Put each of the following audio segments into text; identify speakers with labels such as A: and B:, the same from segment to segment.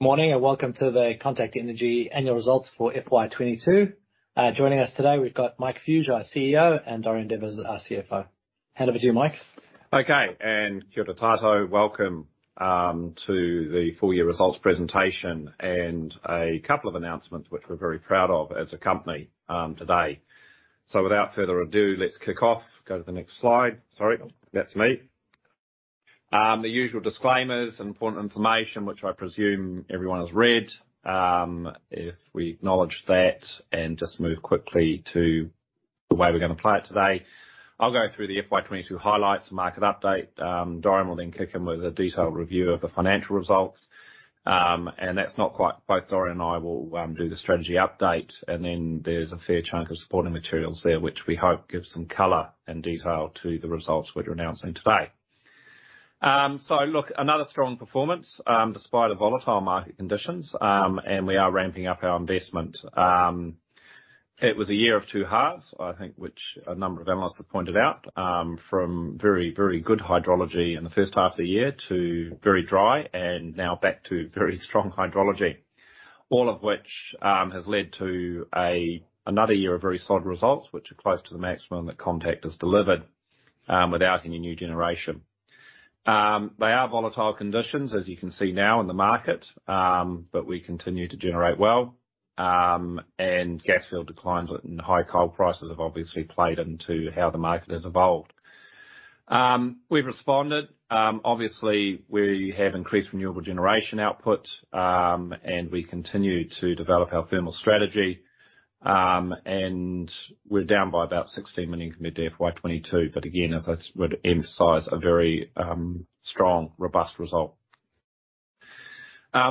A: Morning, and welcome to the Contact Energy annual results for FY22. Joining us today, we've got Mike Fuge, our CEO, and Dorian Devers, our CFO. Hand over to you, Mike.
B: Okay. Kia ora tatau. Welcome to the full year results presentation and a couple of announcements which we're very proud of as a company today. Without further ado, let's kick off. Go to the next slide. Sorry, that's me. The usual disclaimers and important information, which I presume everyone has read. If we acknowledge that and just move quickly to the way we're gonna play it today. I'll go through the FY 2022 highlights and market update. Dorian will then kick in with a detailed review of the financial results. Both Dorian and I will do the strategy update, and then there's a fair chunk of supporting materials there which we hope gives some color and detail to the results we're announcing today. Look, another strong performance, despite the volatile market conditions, and we are ramping up our investment. It was a year of two halves, I think, which a number of analysts have pointed out, from very, very good hydrology in the first half the year to very dry and now back to very strong hydrology. All of which has led to another year of very solid results, which are close to the maximum that Contact has delivered, without any new generation. They are volatile conditions, as you can see now in the market, but we continue to generate well. Gas field declines and high coal prices have obviously played into how the market has evolved. We've responded. Obviously we have increased renewable generation output, and we continue to develop our thermal strategy, and we're down by about 16 million compared to FY 2022. Again, as I would emphasize, a very strong, robust result.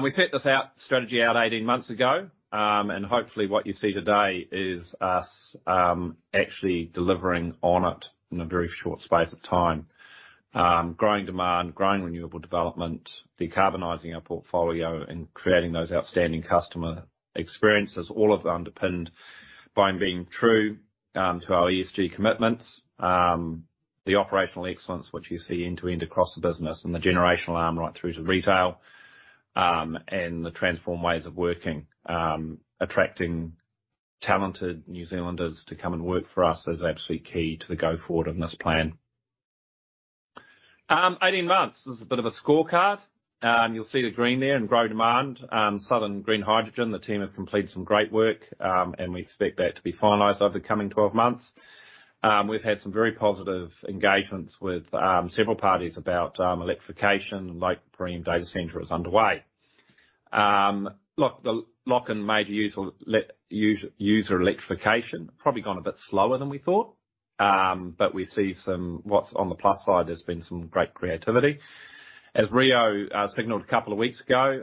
B: We set this strategy out 18 months ago, and hopefully what you see today is us actually delivering on it in a very short space of time. Growing demand, growing renewable development, decarbonizing our portfolio, and creating those outstanding customer experiences, all of them underpinned by being true to our ESG commitments. The operational excellence which you see end-to-end across the business and the generation arm right through to retail. The transformative ways of working, attracting talented New Zealanders to come and work for us is absolutely key to the go forward in this plan. 18 months, this is a bit of a scorecard. You'll see the green there in grow demand, Southern Green Hydrogen. The team have completed some great work, and we expect that to be finalized over the coming 12 months. We've had some very positive engagements with several parties about electrification. Lake Parime data center is underway. User electrification probably gone a bit slower than we thought, but we see some. What's on the plus side, there's been some great creativity. As Rio Tinto signaled a couple of weeks ago,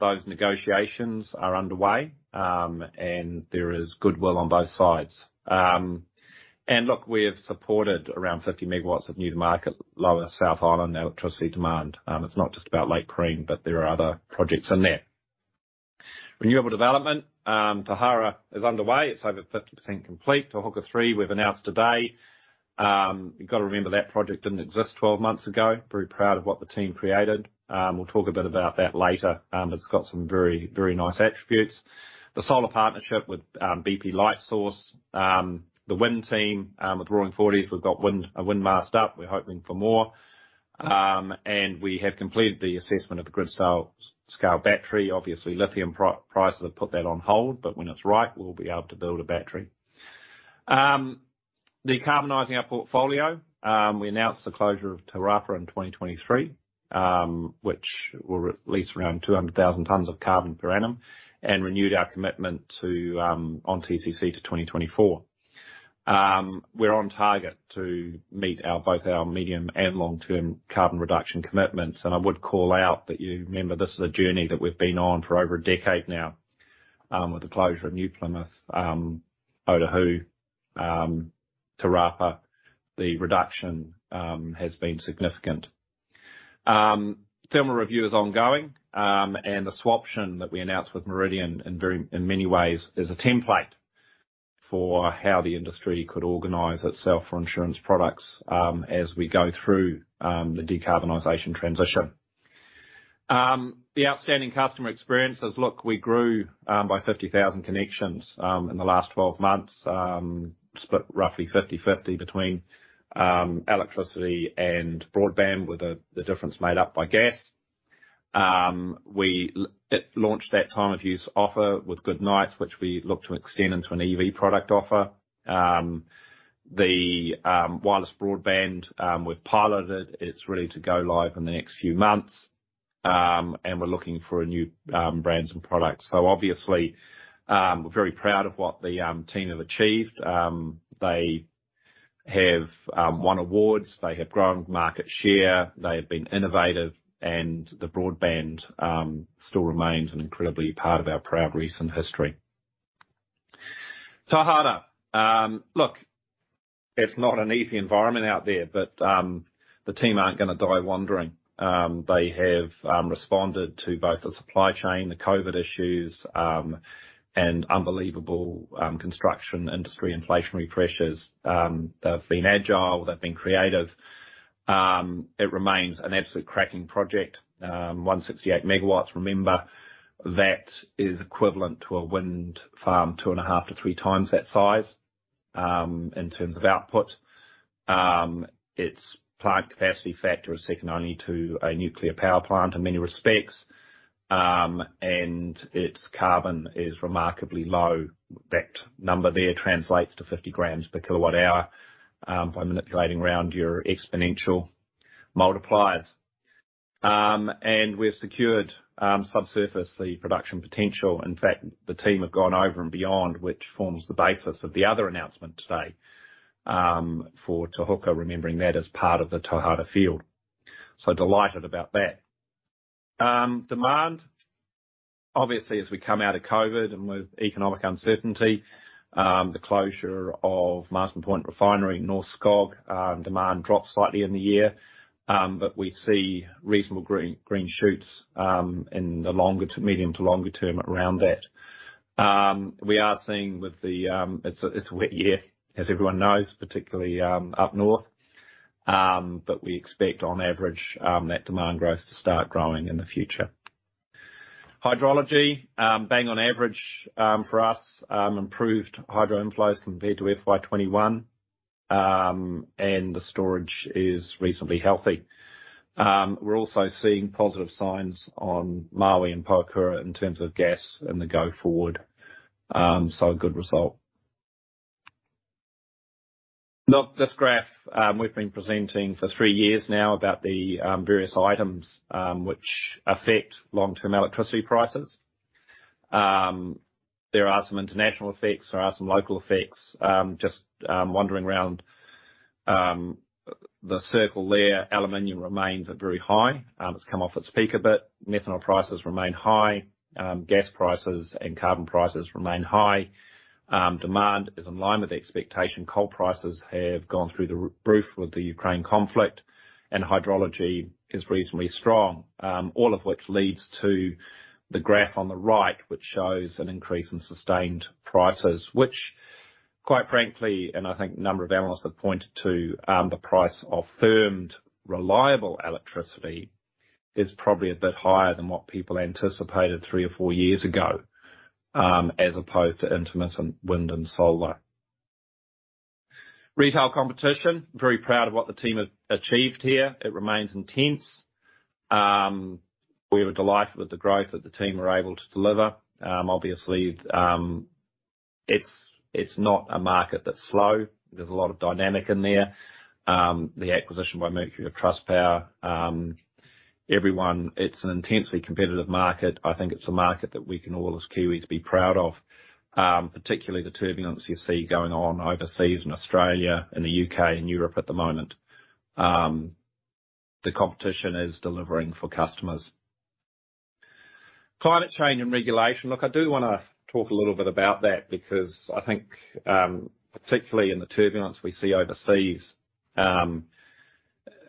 B: those negotiations are underway, and there is goodwill on both sides. Look, we have supported around 50 MW of new market, lower South Island electricity demand. It's not just about Lake Parime, but there are other projects in there. Renewable development. Tauhara is underway. It's over 50% complete. Te Huka 3 we've announced today. You've got to remember that project didn't exist twelve months ago. Very proud of what the team created. We'll talk a bit about that later. It's got some very nice attributes. The solar partnership with Lightsource bp. The wind team with Roaring Forties, we've got a wind mast up. We're hoping for more. We have completed the assessment of the grid-scale battery. Obviously, lithium prices have put that on hold, but when it's right, we'll be able to build a battery. Decarbonizing our portfolio. We announced the closure of Te Rapa in 2023, which will release around 200,000 tons of carbon per annum and renewed our commitment to on TCC to 2024. We're on target to meet our both our medium and long-term carbon reduction commitments. I would call out that you remember, this is a journey that we've been on for over a decade now, with the closure of New Plymouth, Ohaaki, Te Rapa, the reduction has been significant. Thermal review is ongoing. The swap option that we announced with Meridian in very, in many ways is a template for how the industry could organize itself for insurance products, as we go through the decarbonization transition. The outstanding customer experiences. Look, we grew by 50,000 connections in the last 12 months. Split roughly 50/50 between electricity and broadband with the difference made up by gas. We launched that time of use offer with Good Nights, which we look to extend into an EV product offer. The wireless broadband we've piloted, it's ready to go live in the next few months. We're looking for a new brands and products. Obviously, we're very proud of what the team have achieved. They have won awards, they have grown market share, they have been innovative, and the broadband still remains an incredible part of our proud recent history. Tauhara. Look, it's not an easy environment out there, but the team aren't gonna die wondering. They have responded to both the supply chain, the COVID issues, and unbelievable construction industry inflationary pressures. They've been agile, they've been creative. It remains an absolute cracking project. 168 megawatts, remember that is equivalent to a wind farm 2.5-3 times that size in terms of output. Its plant capacity factor is second only to a nuclear power plant in many respects. And its carbon is remarkably low. That number there translates to 50 grams per kWh by manipulating around your exponential multipliers. And we've secured the subsurface production potential. In fact, the team have gone over and beyond, which forms the basis of the other announcement today for Te Huka, remembering that as part of the Tauhara field. Delighted about that. Demand. Obviously, as we come out of COVID and with economic uncertainty, the closure of Marsden Point Refinery, Norske Skog, demand dropped slightly in the year. We see reasonable green shoots in the medium to longer term around that. We are seeing with the, it's a wet year, as everyone knows, particularly up north. We expect on average that demand growth to start growing in the future. Hydrology being on average for us improved hydro inflows compared to FY 2021, and the storage is reasonably healthy. We're also seeing positive signs on Maui and Pohokura in terms of gas and the go-forward, so a good result. Look, this graph we've been presenting for three years now about the various items which affect long-term electricity prices. There are some international effects. There are some local effects. Just wandering around the circle there, aluminum remains at very high. It's come off its peak a bit. Methanol prices remain high. Gas prices and carbon prices remain high. Demand is in line with the expectation. Coal prices have gone through the roof with the Ukraine conflict, and hydrology is reasonably strong. All of which leads to the graph on the right, which shows an increase in sustained prices, which quite frankly, and I think a number of analysts have pointed to, the price of firmed, reliable electricity is probably a bit higher than what people anticipated 3 or 4 years ago, as opposed to intermittent wind and solar. Retail competition. Very proud of what the team has achieved here. It remains intense. We're delighted with the growth that the team are able to deliver. Obviously, it's not a market that's slow. There's a lot of dynamic in there. It's an intensely competitive market. I think it's a market that we can all as Kiwis be proud of, particularly the turbulence you see going on overseas in Australia and the UK and Europe at the moment. The competition is delivering for customers. Climate change and regulation. Look, I do wanna talk a little bit about that because I think, particularly in the turbulence we see overseas,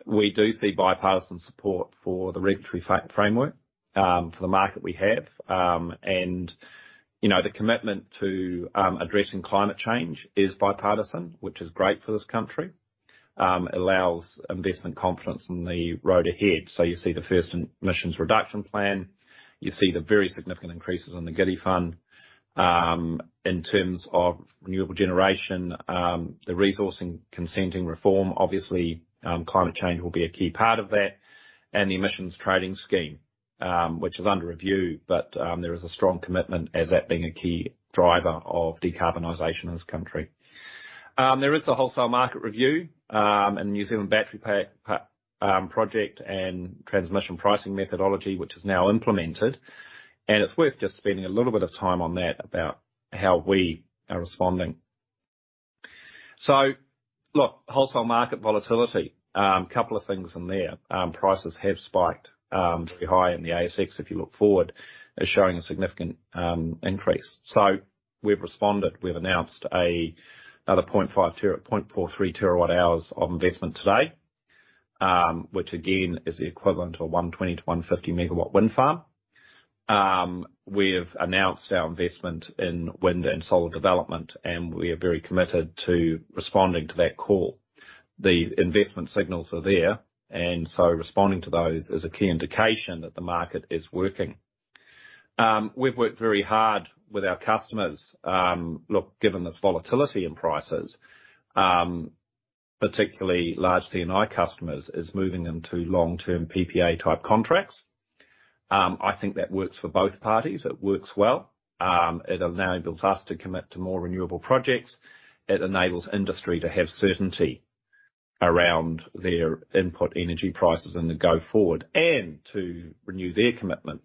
B: we do see bipartisan support for the regulatory framework for the market we have. You know, the commitment to addressing climate change is bipartisan, which is great for this country, allows investment confidence in the road ahead. You see the first emissions reduction plan. You see the very significant increases in the GIDI Fund. In terms of renewable generation, the resourcing consenting reform, obviously, climate change will be a key part of that. The emissions trading scheme, which is under review, but there is a strong commitment as that being a key driver of decarbonization in this country. There is the wholesale market review, and the New Zealand Battery PPA project and transmission pricing methodology, which is now implemented. It's worth just spending a little bit of time on that about how we are responding. Look, wholesale market volatility, couple of things in there. Prices have spiked very high in the ASX; if you look forward, is showing a significant increase. We've responded. We've announced another 0.43 TWh of investment today, which again, is the equivalent of 120-150 MW wind farm. We've announced our investment in wind and solar development, and we are very committed to responding to that call. The investment signals are there, and so responding to those is a key indication that the market is working. We've worked very hard with our customers, look, given this volatility in prices, particularly large C&I customers, is moving them to long-term PPA type contracts. I think that works for both parties. It works well. It enables us to commit to more renewable projects. It enables industry to have certainty around their input energy prices in the go forward, and to renew their commitment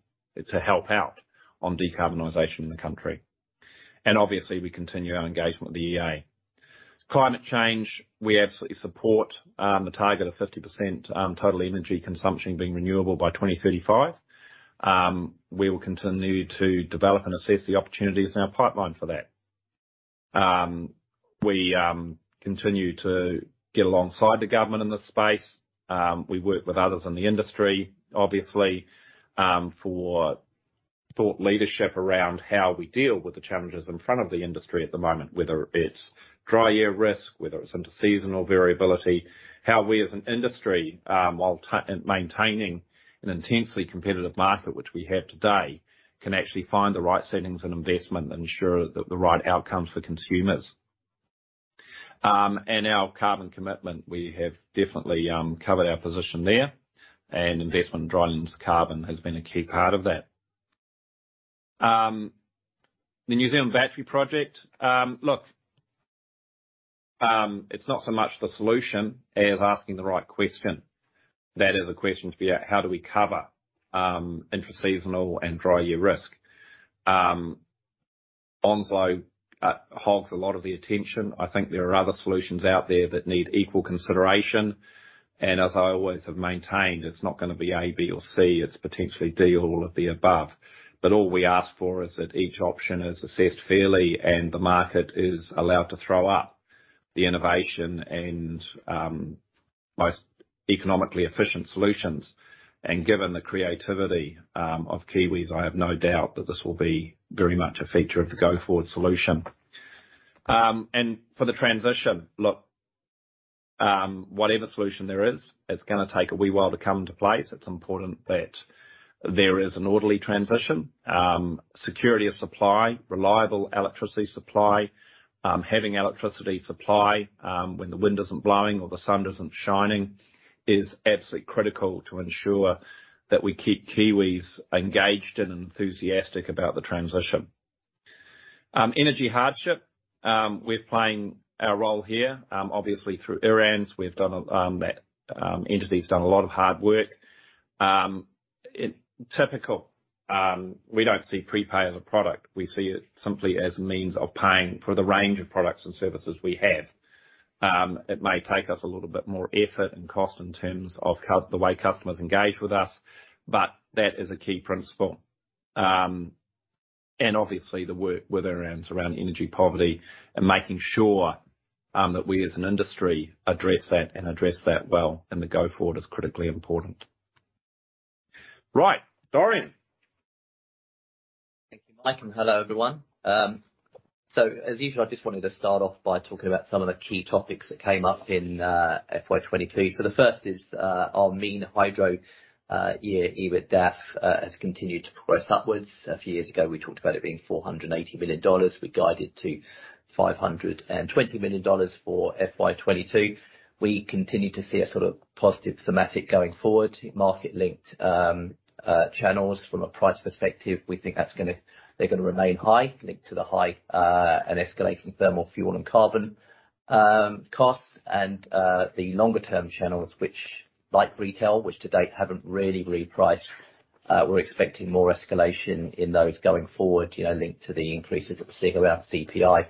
B: to help out on decarbonization in the country. Obviously, we continue our engagement with the EA. Climate change, we absolutely support the target of 50% total energy consumption being renewable by 2035. We will continue to develop and assess the opportunities in our pipeline for that. We continue to get alongside the government in this space. We work with others in the industry, obviously, for thought leadership around how we deal with the challenges in front of the industry at the moment, whether it's dry year risk, whether it's interseasonal variability. How we as an industry, while maintaining an intensely competitive market which we have today, can actually find the right settings and investment and ensure the right outcomes for consumers. Our carbon commitment, we have definitely covered our position there, and investment in drylands carbon has been a key part of that. The New Zealand battery project. Look, it's not so much the solution as asking the right question. That is the question to be at: how do we cover interseasonal and dry year risk? Onslow hogs a lot of the attention. I think there are other solutions out there that need equal consideration, and as I always have maintained, it's not gonna be A, B, or C, it's potentially D, all of the above. All we ask for is that each option is assessed fairly and the market is allowed to throw up the innovation and most economically efficient solutions. Given the creativity of Kiwis, I have no doubt that this will be very much a feature of the go-forward solution. For the transition, look, whatever solution there is, it's gonna take a wee while to come into place. It's important that there is an orderly transition, security of supply, reliable electricity supply, having electricity supply when the wind isn't blowing or the sun isn't shining, is absolutely critical to ensure that we keep Kiwis engaged and enthusiastic about the transition. Energy hardship. We're playing our role here, obviously through ERANZ. That entity's done a lot of hard work. Typically, we don't see prepay as a product. We see it simply as a means of paying for the range of products and services we have. It may take us a little bit more effort and cost in terms of the way customers engage with us, but that is a key principle. Obviously the work with ERANZ around energy poverty and making sure that we as an industry address that well going forward is critically important. Right. Dorian.
C: Thank you, Mike, and hello, everyone. As usual, I just wanted to start off by talking about some of the key topics that came up in FY 2022. The first is our mean hydro year EBITDA has continued to progress upwards. A few years ago, we talked about it being 480 million dollars. We guided to 520 million dollars for FY 2022. We continue to see a sort of positive thematic going forward. Market-linked channels from a price perspective, we think they're gonna remain high, linked to the high and escalating thermal fuel and carbon costs and the longer term channels which, like retail, which to date haven't really repriced. We're expecting more escalation in those going forward, you know, linked to the increases that we're seeing around CPI.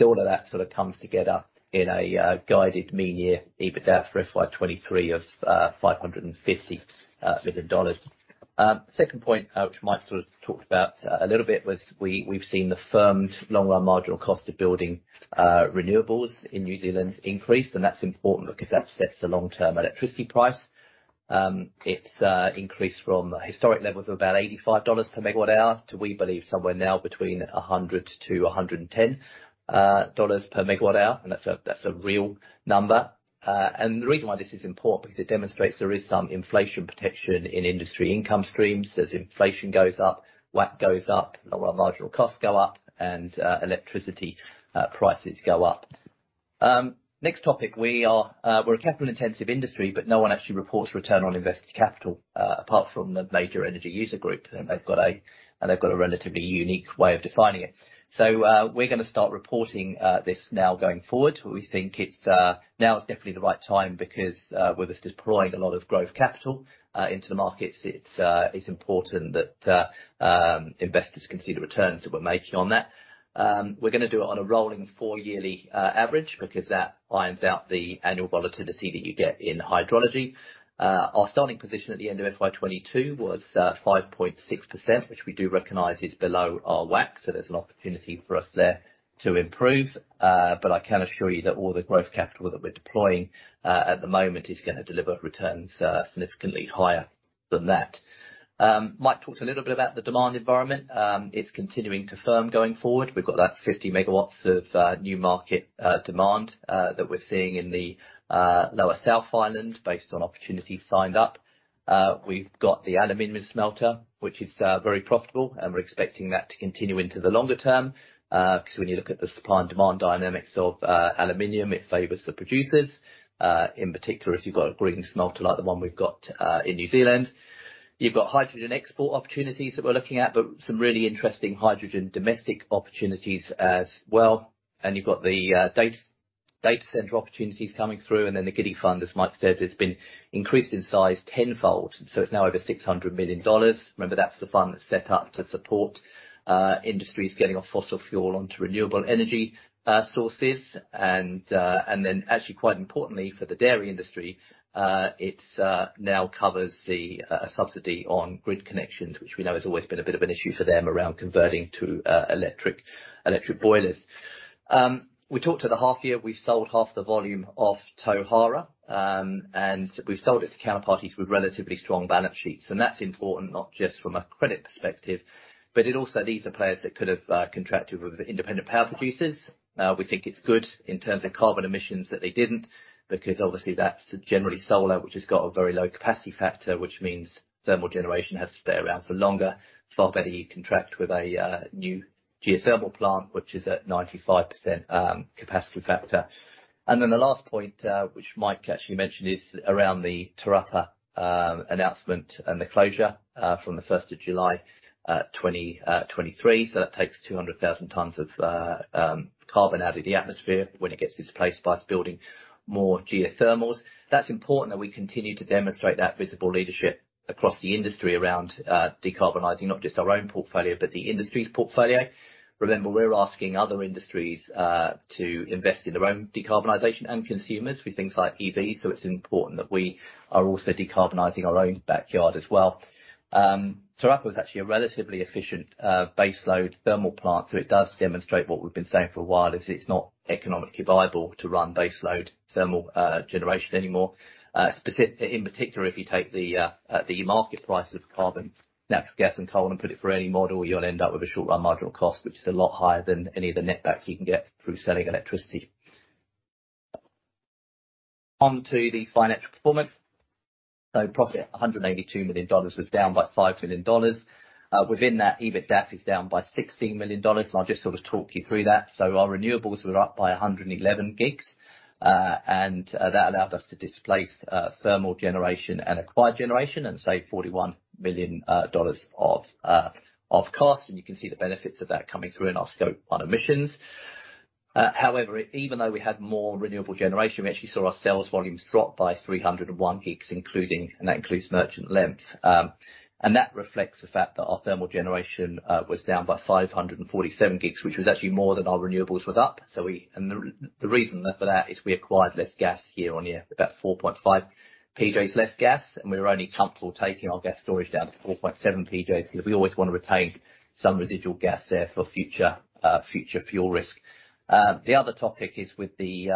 C: All of that sort of comes together in a guidance for FY23 EBITDA of 550 million dollars. Second point, which Mike sort of talked about a little bit was we've seen the firm long-run marginal cost of building renewables in New Zealand increase, and that's important because that sets the long-term electricity price. It's increased from historic levels of about 85 dollars per MWh to, we believe, somewhere now between 100-110 dollars per MWh, and that's a real number. The reason why this is important, because it demonstrates there is some inflation protection in industry income streams. As inflation goes up, WACC goes up, long run marginal costs go up, and electricity prices go up. Next topic. We're a capital-intensive industry, but no one actually reports return on invested capital apart from the major energy user group, and they've got a relatively unique way of defining it. We're gonna start reporting this now going forward. We think it's now definitely the right time because with us deploying a lot of growth capital into the markets, it's important that investors can see the returns that we're making on that. We're gonna do it on a rolling four-yearly average because that irons out the annual volatility that you get in hydrology. Our starting position at the end of FY 2022 was 5.6%, which we do recognize is below our WACC. There's an opportunity for us there to improve. I can assure you that all the growth capital that we're deploying at the moment is gonna deliver returns significantly higher than that. Mike talked a little bit about the demand environment. It's continuing to firm going forward. We've got that 50 megawatts of new market demand that we're seeing in the lower South Island based on opportunities signed up. We've got the aluminum smelter, which is very profitable, and we're expecting that to continue into the longer term, 'cause when you look at the supply and demand dynamics of aluminum, it favors the producers. In particular, if you've got a green smelter like the one we've got in New Zealand. You've got hydrogen export opportunities that we're looking at, but some really interesting hydrogen domestic opportunities as well. You've got the data center opportunities coming through. The GIDI Fund, as Mike says, has been increased in size tenfold. It's now over 600 million dollars. Remember, that's the fund that's set up to support industries getting off fossil fuel onto renewable energy sources. Actually quite importantly for the dairy industry, it now covers the subsidy on grid connections, which we know has always been a bit of an issue for them around converting to electric boilers. We talked at the half year, we sold half the volume of Tauhara. We've sold it to counterparties with relatively strong balance sheets. That's important not just from a credit perspective, but it also these are players that could have contracted with independent power producers. We think it's good in terms of carbon emissions that they didn't, because obviously that's generally solar, which has got a very low capacity factor, which means thermal generation has to stay around for longer. Far better you contract with a new geothermal plant which is at 95% capacity factor. The last point, which Mike actually mentioned is around the Turitea announcement and the closure from July 1, 2023. That takes 200,000 tons of carbon out of the atmosphere when it gets displaced by building more geothermals. That's important that we continue to demonstrate that visible leadership across the industry around decarbonizing not just our own portfolio but the industry's portfolio. Remember, we're asking other industries to invest in their own decarbonization and consumers with things like EVs, so it's important that we are also decarbonizing our own backyard as well. Taranaki was actually a relatively efficient baseload thermal plant, so it does demonstrate what we've been saying for a while, is it's not economically viable to run baseload thermal generation anymore. In particular, if you take the market price of carbon, natural gas and coal and put it through any model, you'll end up with a short run marginal cost which is a lot higher than any of the net backs you can get through selling electricity. On to the financial performance. Profit 182 million dollars was down by 5 million dollars. Within that EBITDAF is down by 16 million dollars, and I'll just sort of talk you through that. Our renewables were up by 111 gigs, and that allowed us to displace thermal generation and acquired generation and save 41 million dollars of costs, and you can see the benefits of that coming through in our Scope 1 emissions. However, even though we had more renewable generation, we actually saw our sales volumes drop by 301 gigs including and that includes merchant length. That reflects the fact that our thermal generation was down by 547 gigs, which was actually more than our renewables was up. The reason for that is we acquired less gas year-on-year, about 4.5 PJs less gas, and we're only comfortable taking our gas storage down to 4.7 PJs, 'cause we always wanna retain some residual gas there for future fuel risk. The other topic is with the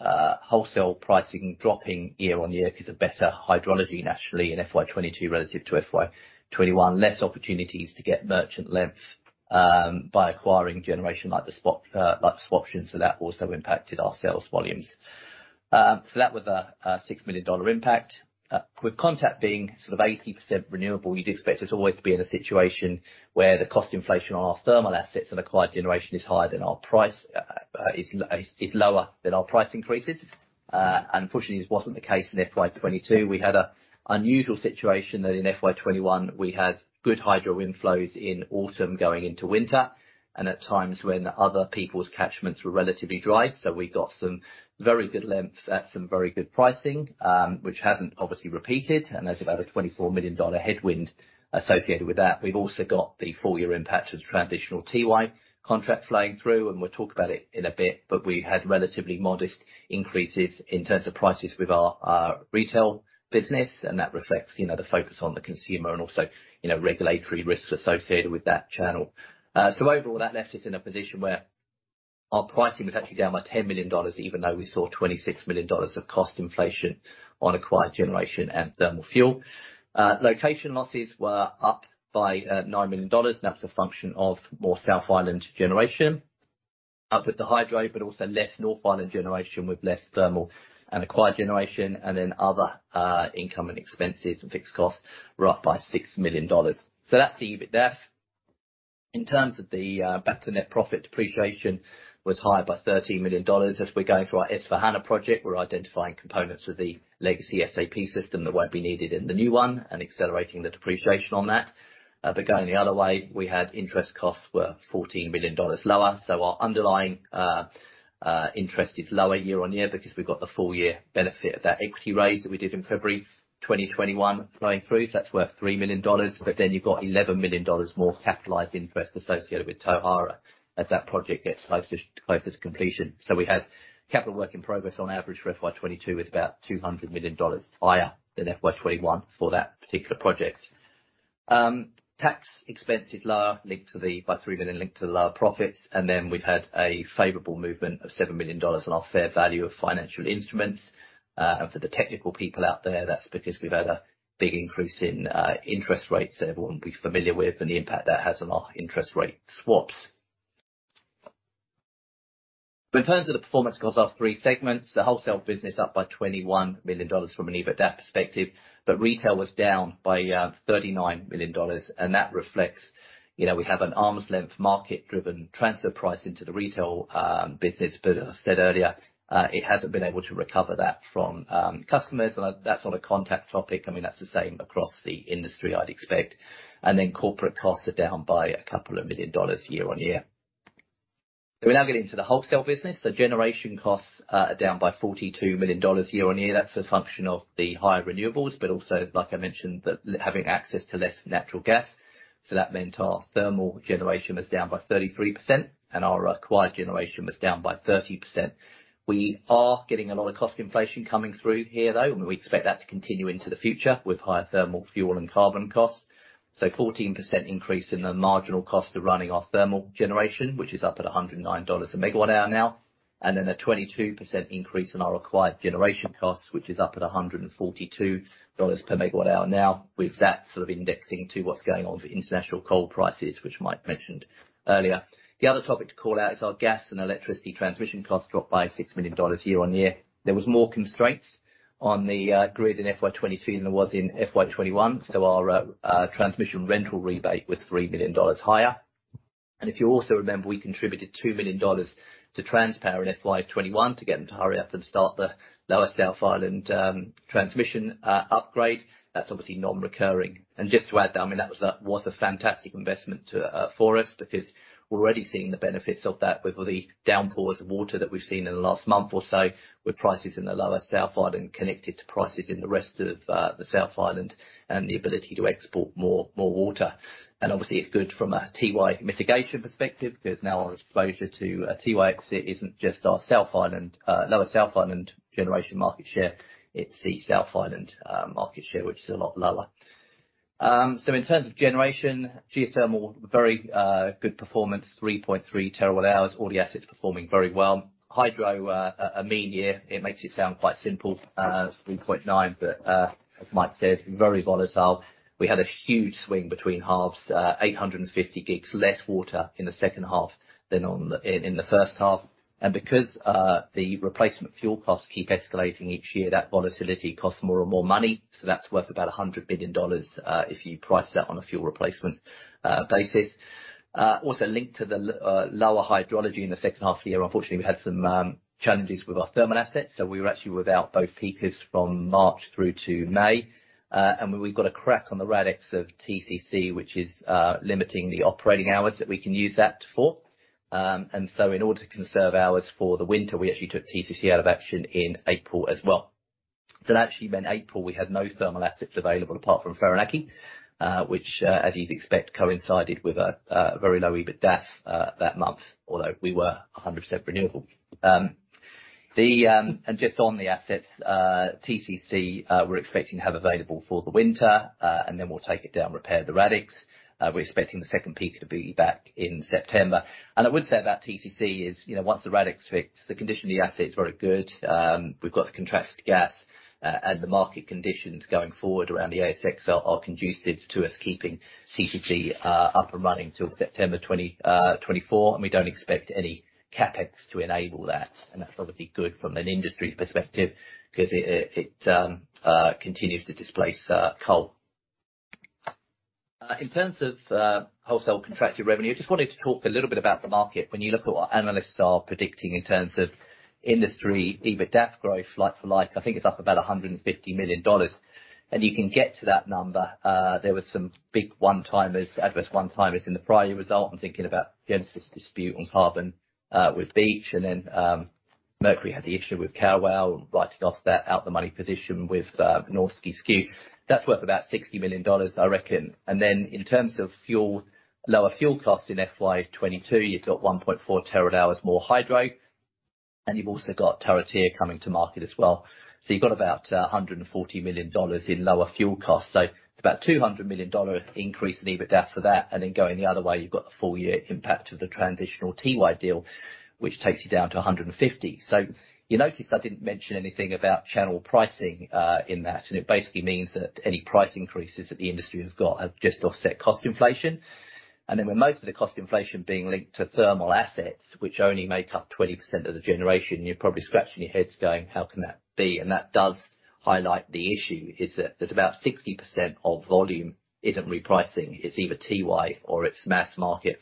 C: wholesale pricing dropping year-on-year 'cause of better hydrology naturally in FY 2022 relative to FY 2021. Fewer opportunities to get merchant length by acquiring generation like the spot like the swap option, so that also impacted our sales volumes. That was a 6 million dollar impact. With Contact being sort of 80% renewable, you'd expect us always to be in a situation where the cost inflation on our thermal assets and acquired generation is higher than our price. is lower than our price increases. Unfortunately, this wasn't the case in FY 2022. We had an unusual situation that in FY 2021 we had good hydro inflows in autumn going into winter. At times when other people's catchments were relatively dry, so we got some very good lengths at some very good pricing, which hasn't obviously repeated, and there's about a 24 million dollar headwind associated with that. We've also got the full year impact of the transitional TY contract flowing through, and we'll talk about it in a bit, but we had relatively modest increases in terms of prices with our retail business, and that reflects, you know, the focus on the consumer and also, you know, regulatory risks associated with that channel. Overall, that left us in a position where our pricing was actually down by 10 million dollars, even though we saw 26 million dollars of cost inflation on acquired generation and thermal fuel. Location losses were up by 9 million dollars. That's a function of more South Island generation up with the hydro, but also less North Island generation with less thermal and acquired generation, and then other income and expenses and fixed costs were up by 6 million dollars. That's the EBITDAF. In terms of the back to net profit, depreciation was higher by 13 million dollars. As we're going through our S/4HANA project, we're identifying components with the legacy SAP system that won't be needed in the new one and accelerating the depreciation on that. Going the other way, we had interest costs were 14 million dollars lower. Our underlying interest is lower year on year because we've got the full year benefit of that equity raise that we did in February 2021 flowing through, so that's worth 3 million dollars. You've got 11 million dollars more capitalized interest associated with Tauhara as that project gets close to completion. We had capital work in progress on average for FY 2022 with about 200 million dollars higher than FY 2021 for that particular project. Tax expense is lower by 3 million linked to the lower profits, and then we've had a favorable movement of 7 million dollars on our fair value of financial instruments. For the technical people out there, that's because we've had a big increase in interest rates that everyone will be familiar with and the impact that has on our interest rate swaps. In terms of the performance across our three segments, the wholesale business up by 21 million dollars from an EBITDAF perspective, but retail was down by 39 million dollars, and that reflects, you know, we have an arm's length market-driven transfer price into the retail business. As I said earlier, it hasn't been able to recover that from customers. That's not a Contact topic. I mean, that's the same across the industry, I'd expect. Then corporate costs are down by a couple of million NZD year-on-year. We now get into the wholesale business. Generation costs are down by 42 million dollars year on year. That's a function of the higher renewables, but also, like I mentioned, the having access to less natural gas. That meant our thermal generation was down by 33% and our acquired generation was down by 30%. We are getting a lot of cost inflation coming through here, though, and we expect that to continue into the future with higher thermal fuel and carbon costs. Fourteen percent increase in the marginal cost of running our thermal generation, which is up at 109 dollars per MWh now. Then a 22% increase in our acquired generation costs, which is up at 142 dollars per MWh now, with that sort of indexing to what's going on for international coal prices, which Mike mentioned earlier. The other topic to call out is our gas and electricity transmission costs dropped by 6 million dollars year-over-year. There was more constraints on the grid in FY 2023 than there was in FY 2021. Our transmission rental rebate was 3 million dollars higher. If you also remember, we contributed 2 million dollars to Transpower in FY 2021 to get them to hurry up and start the Lower South Island transmission upgrade. That's obviously non-recurring. Just to add to that, I mean, that was a fantastic investment for us because we're already seeing the benefits of that with all the downpours of water that we've seen in the last month or so, with prices in the Lower South Island connected to prices in the rest of the South Island and the ability to export more water. Obviously, it's good from a Tiwai mitigation perspective, because now our exposure to a Tiwai exit isn't just our South Island Lower South Island generation market share, it's the South Island market share, which is a lot lower. In terms of generation, geothermal, very good performance, 3.3 terawatt-hours. All the assets performing very well. Hydro, a mean year. It makes it sound quite simple, 3.9. As Mike said, very volatile. We had a huge swing between halves, 850 GJs less water in the second half than in the first half. Because the replacement fuel costs keep escalating each year, that volatility costs more and more money. That's worth about 100 million dollars, if you price that on a fuel replacement basis. Also linked to the lower hydrology in the second half of the year. Unfortunately, we had some challenges with our thermal assets, so we were actually without both peaking from March through to May. We've got a crack on the radial of TCC, which is limiting the operating hours that we can use that for. In order to conserve hours for the winter, we actually took TCC out of action in April as well. That actually meant April we had no thermal assets available apart from Whirinaki, which, as you'd expect, coincided with a very low EBITDA that month, although we were 100% renewable. Just on the assets, TCC, we're expecting to have available for the winter, and then we'll take it down, repair the radial. We're expecting the second peak to be back in September. I would say about TCC is, you know, once the radial is fixed, the condition of the asset is very good. We've got the contracted gas, and the market conditions going forward around the ASX are conducive to us keeping TCC up and running till September 2024. We don't expect any CapEx to enable that. That's obviously good from an industry perspective 'cause it continues to displace coal. In terms of wholesale contracted revenue, just wanted to talk a little bit about the market. When you look at what analysts are predicting in terms of industry EBITDA growth, like for like, I think it's up about 150 million dollars. You can get to that number. There was some big one-timers, adverse one-timers in the prior result. I'm thinking about Genesis dispute on carbon with Beach. Mercury had the issue with Kawerau and writing off that out of the money position with Norske Skog. That's worth about 60 million dollars, I reckon. In terms of fuel, lower fuel costs in FY 2022, you've got 1.4 terawatt-hours more hydro, and you've also got Turitea coming to market as well. You've got about 140 million dollars in lower fuel costs. It's about a 200 million dollar increase in EBITDA for that. Going the other way, you've got the full year impact of the transitional TY deal, which takes you down to 150 million. You notice I didn't mention anything about channel pricing in that. It basically means that any price increases that the industry has got have just offset cost inflation. With most of the cost inflation being linked to thermal assets, which only make up 20% of the generation, you're probably scratching your heads going, "How can that be?" That does highlight the issue is that there's about 60% of volume isn't repricing. It's either TY or it's mass market.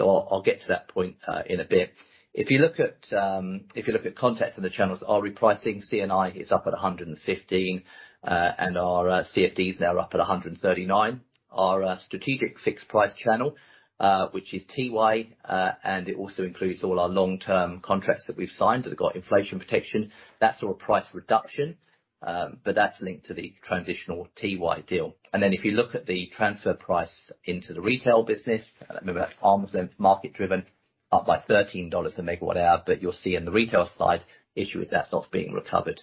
C: I'll get to that point in a bit. If you look at the context of the channels that are repricing, C&I is up at 115, and our CFDs now are up at 139. Our strategic fixed price channel, which is TY, and it also includes all our long-term contracts that we've signed that have got inflation protection. That saw a price reduction, but that's linked to the transitional TY deal. If you look at the transfer price into the retail business, remember that the forward market driven up by 13 dollars a megawatt-hour, but you'll see on the retail side, issue is that's not being recovered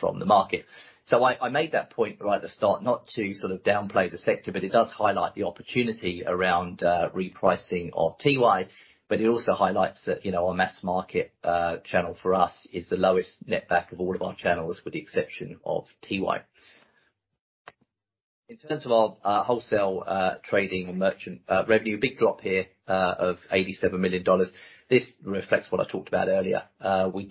C: from the market. I made that point right at the start not to sort of downplay the sector, but it does highlight the opportunity around repricing of TY. It also highlights that, you know, our mass market channel for us is the lowest net back of all of our channels, with the exception of TY. In terms of our wholesale trading and merchant revenue, a big drop here of 87 million dollars. This reflects what I talked about earlier. We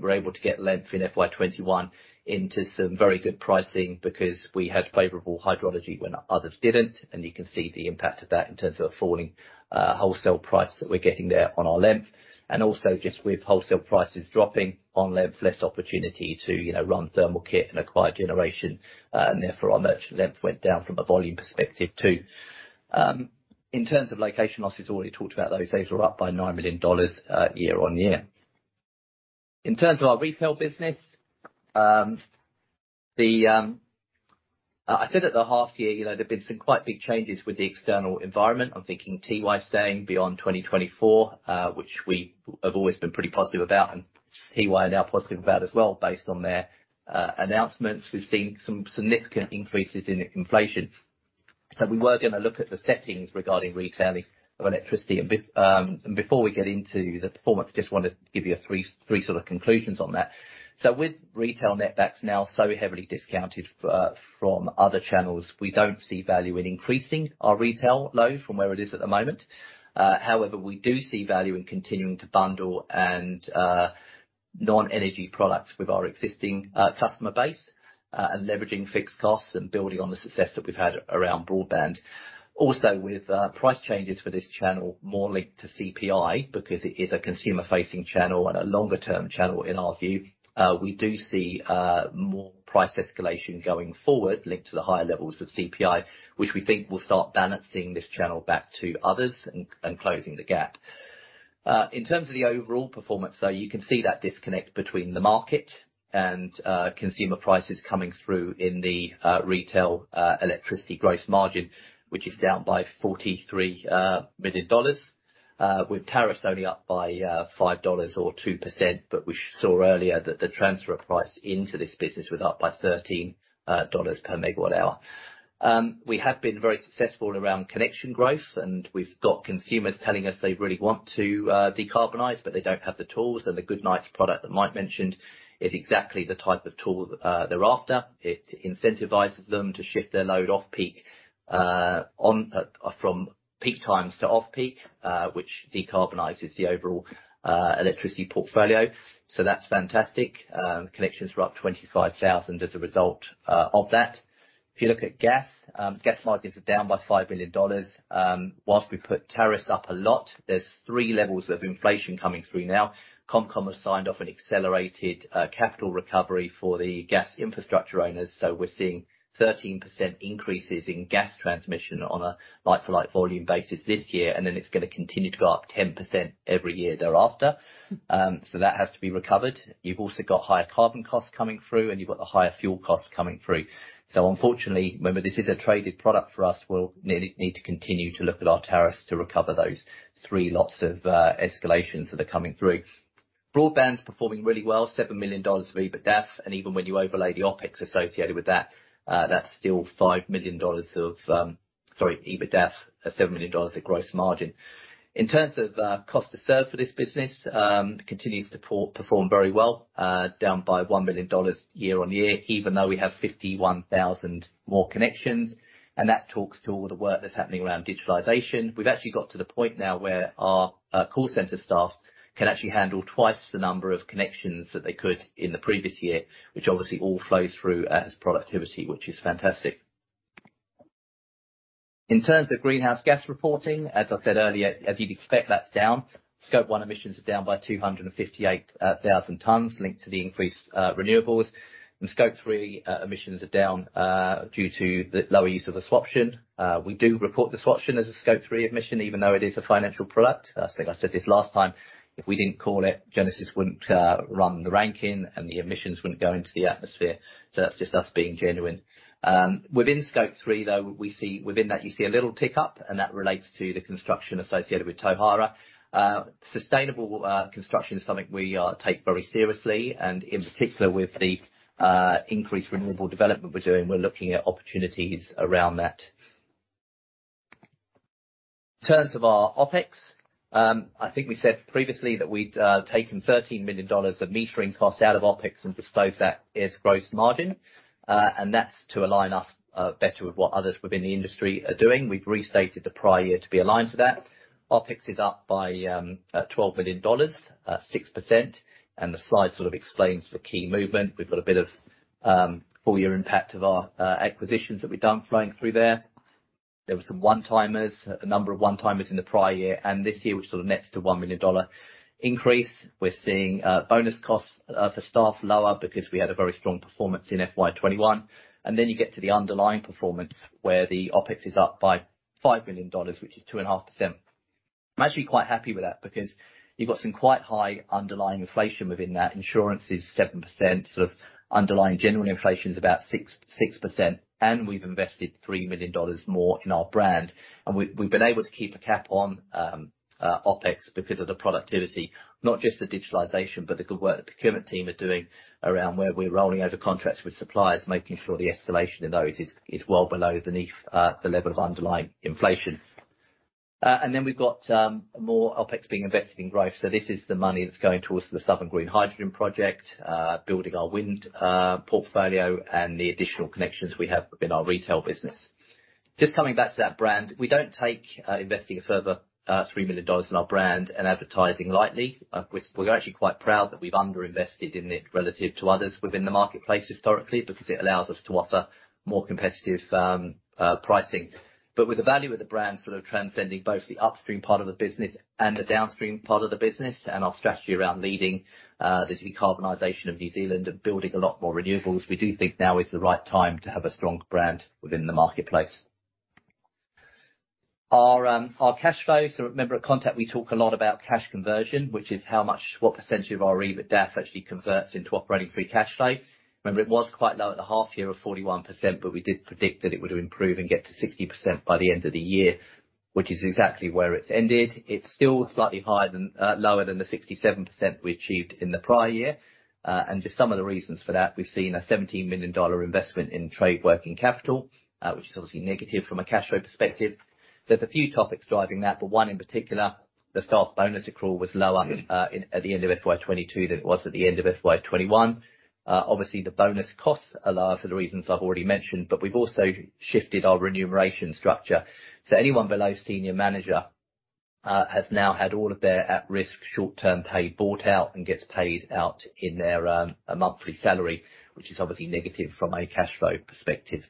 C: were able to get long in FY 2021 into some very good pricing because we had favorable hydrology when others didn't. You can see the impact of that in terms of a falling wholesale price that we're getting there on our long. Also just with wholesale prices dropping on long, less opportunity to, you know, run thermal kit and acquire generation. Therefore, our merchant long went down from a volume perspective too. In terms of location losses, already talked about those. Those were up by 9 million dollars year-on-year. In terms of our retail business, I said at the half year, you know, there have been some quite big changes with the external environment. I'm thinking Tiwai staying beyond 2024, which we have always been pretty positive about, and Tiwai are now positive about as well, based on their announcements. We've seen some significant increases in inflation. We were going to look at the settings regarding retailing of electricity. Before we get into the performance, just want to give you three sort of conclusions on that. With retail net backs now so heavily discounted from other channels, we don't see value in increasing our retail load from where it is at the moment. However, we do see value in continuing to bundle and non-energy products with our existing customer base, and leveraging fixed costs and building on the success that we've had around broadband. With price changes for this channel more linked to CPI, because it is a consumer-facing channel and a longer-term channel in our view, we do see more price escalation going forward linked to the higher levels of CPI, which we think will start balancing this channel back to others and closing the gap. In terms of the overall performance, you can see that disconnect between the market and consumer prices coming through in the retail electricity gross margin, which is down by 43 million dollars, with tariffs only up by 5 dollars or 2%. We saw earlier that the transfer price into this business was up by 13 dollars per megawatt hour. We have been very successful around connection growth, and we've got consumers telling us they really want to decarbonize, but they don't have the tools. The Good Night product that Mike mentioned is exactly the type of tool they're after. It incentivizes them to shift their load off-peak from peak times to off-peak, which decarbonizes the overall electricity portfolio. That's fantastic. Connections were up 25,000 as a result of that. If you look at gas margins are down by 5 million dollars. While we put tariffs up a lot, there's three levels of inflation coming through now. ComCom has signed off an accelerated capital recovery for the gas infrastructure owners. We're seeing 13% increases in gas transmission on a like-for-like volume basis this year, and then it's going to continue to go up 10% every year thereafter. That has to be recovered. You've also got higher carbon costs coming through, and you've got the higher fuel costs coming through. Unfortunately, remember, this is a traded product for us. We'll need to continue to look at our tariffs to recover those three lots of escalations that are coming through. Broadband's performing really well, 7 million dollars of EBITDAF. Even when you overlay the OpEx associated with that's still 5 million dollars of. Sorry, EBITDAF, 7 million dollars of gross margin. In terms of cost to serve for this business, continues to outperform very well, down by 1 million dollars year-on-year, even though we have 51,000 more connections. That talks to all the work that's happening around digitalization. We've actually got to the point now where our call center staff can actually handle twice the number of connections that they could in the previous year, which obviously all flows through as productivity, which is fantastic. In terms of greenhouse gas reporting, as I said earlier, as you'd expect, that's down. Scope 1 emissions are down by 258,000 tons linked to the increased renewables. Scope 3 emissions are down due to the lower use of a swaption. We do report the swaption as a Scope 3 emission, even though it is a financial product. As I said this last time, if we didn't call it, Genesis wouldn't run the ranking, and the emissions wouldn't go into the atmosphere. That's just us being genuine. Within Scope 3, though, within that, you see a little tick up, and that relates to the construction associated with Tauhara. Sustainable construction is something we take very seriously, and in particular, with the increased renewable development we're doing, we're looking at opportunities around that. In terms of our OpEx, I think we said previously that we'd taken 13 million dollars of metering costs out of OpEx and disposed of that as gross margin. That's to align us better with what others within the industry are doing. We've restated the prior year to be aligned to that. OpEx is up by 12 million dollars, 6%, and the slide sort of explains the key movement. We've got a bit of full year impact of our acquisitions that we've done flowing through there. There were some one-timers, a number of one-timers in the prior year and this year, which sort of nets to 1 million dollar increase. We're seeing bonus costs for staff lower because we had a very strong performance in FY 2021. Then you get to the underlying performance where the OpEx is up by 5 million dollars, which is 2.5%. I'm actually quite happy with that because you've got some quite high underlying inflation within that. Insurance is 7%. Sort of underlying general inflation is about 6%, and we've invested 3 million dollars more in our brand. We've been able to keep a cap on OpEx because of the productivity, not just the digitalization, but the good work the procurement team are doing around where we're rolling over contracts with suppliers, making sure the escalation in those is well below the level of underlying inflation. We've got more OpEx being invested in growth. This is the money that's going towards the Southern Green Hydrogen project, building our wind portfolio and the additional connections we have within our retail business. Just coming back to that brand, we don't take investing a further 3 million dollars in our brand and advertising lightly. We're actually quite proud that we've underinvested in it relative to others within the marketplace historically, because it allows us to offer more competitive pricing. With the value of the brand sort of transcending both the upstream part of the business and the downstream part of the business, and our strategy around leading the decarbonization of New Zealand and building a lot more renewables, we do think now is the right time to have a strong brand within the marketplace. Our cash flow. Remember at Contact, we talk a lot about cash conversion, which is what percentage of our EBITDAF actually converts into operating free cash flow. Remember, it was quite low at the half year of 41%, but we did predict that it would improve and get to 60% by the end of the year. Which is exactly where it's ended. It's still slightly lower than the 67% we achieved in the prior year. Just some of the reasons for that, we've seen a 17 million dollar investment in trade working capital, which is obviously negative from a cash flow perspective. There's a few topics driving that, but one in particular, the staff bonus accrual was lower in at the end of FY 2022 than it was at the end of FY 2021. Obviously the bonus costs are low for the reasons I've already mentioned, but we've also shifted our remuneration structure. Anyone below senior manager has now had all of their at-risk short-term pay bought out and gets paid out in their monthly salary, which is obviously negative from a cash flow perspective.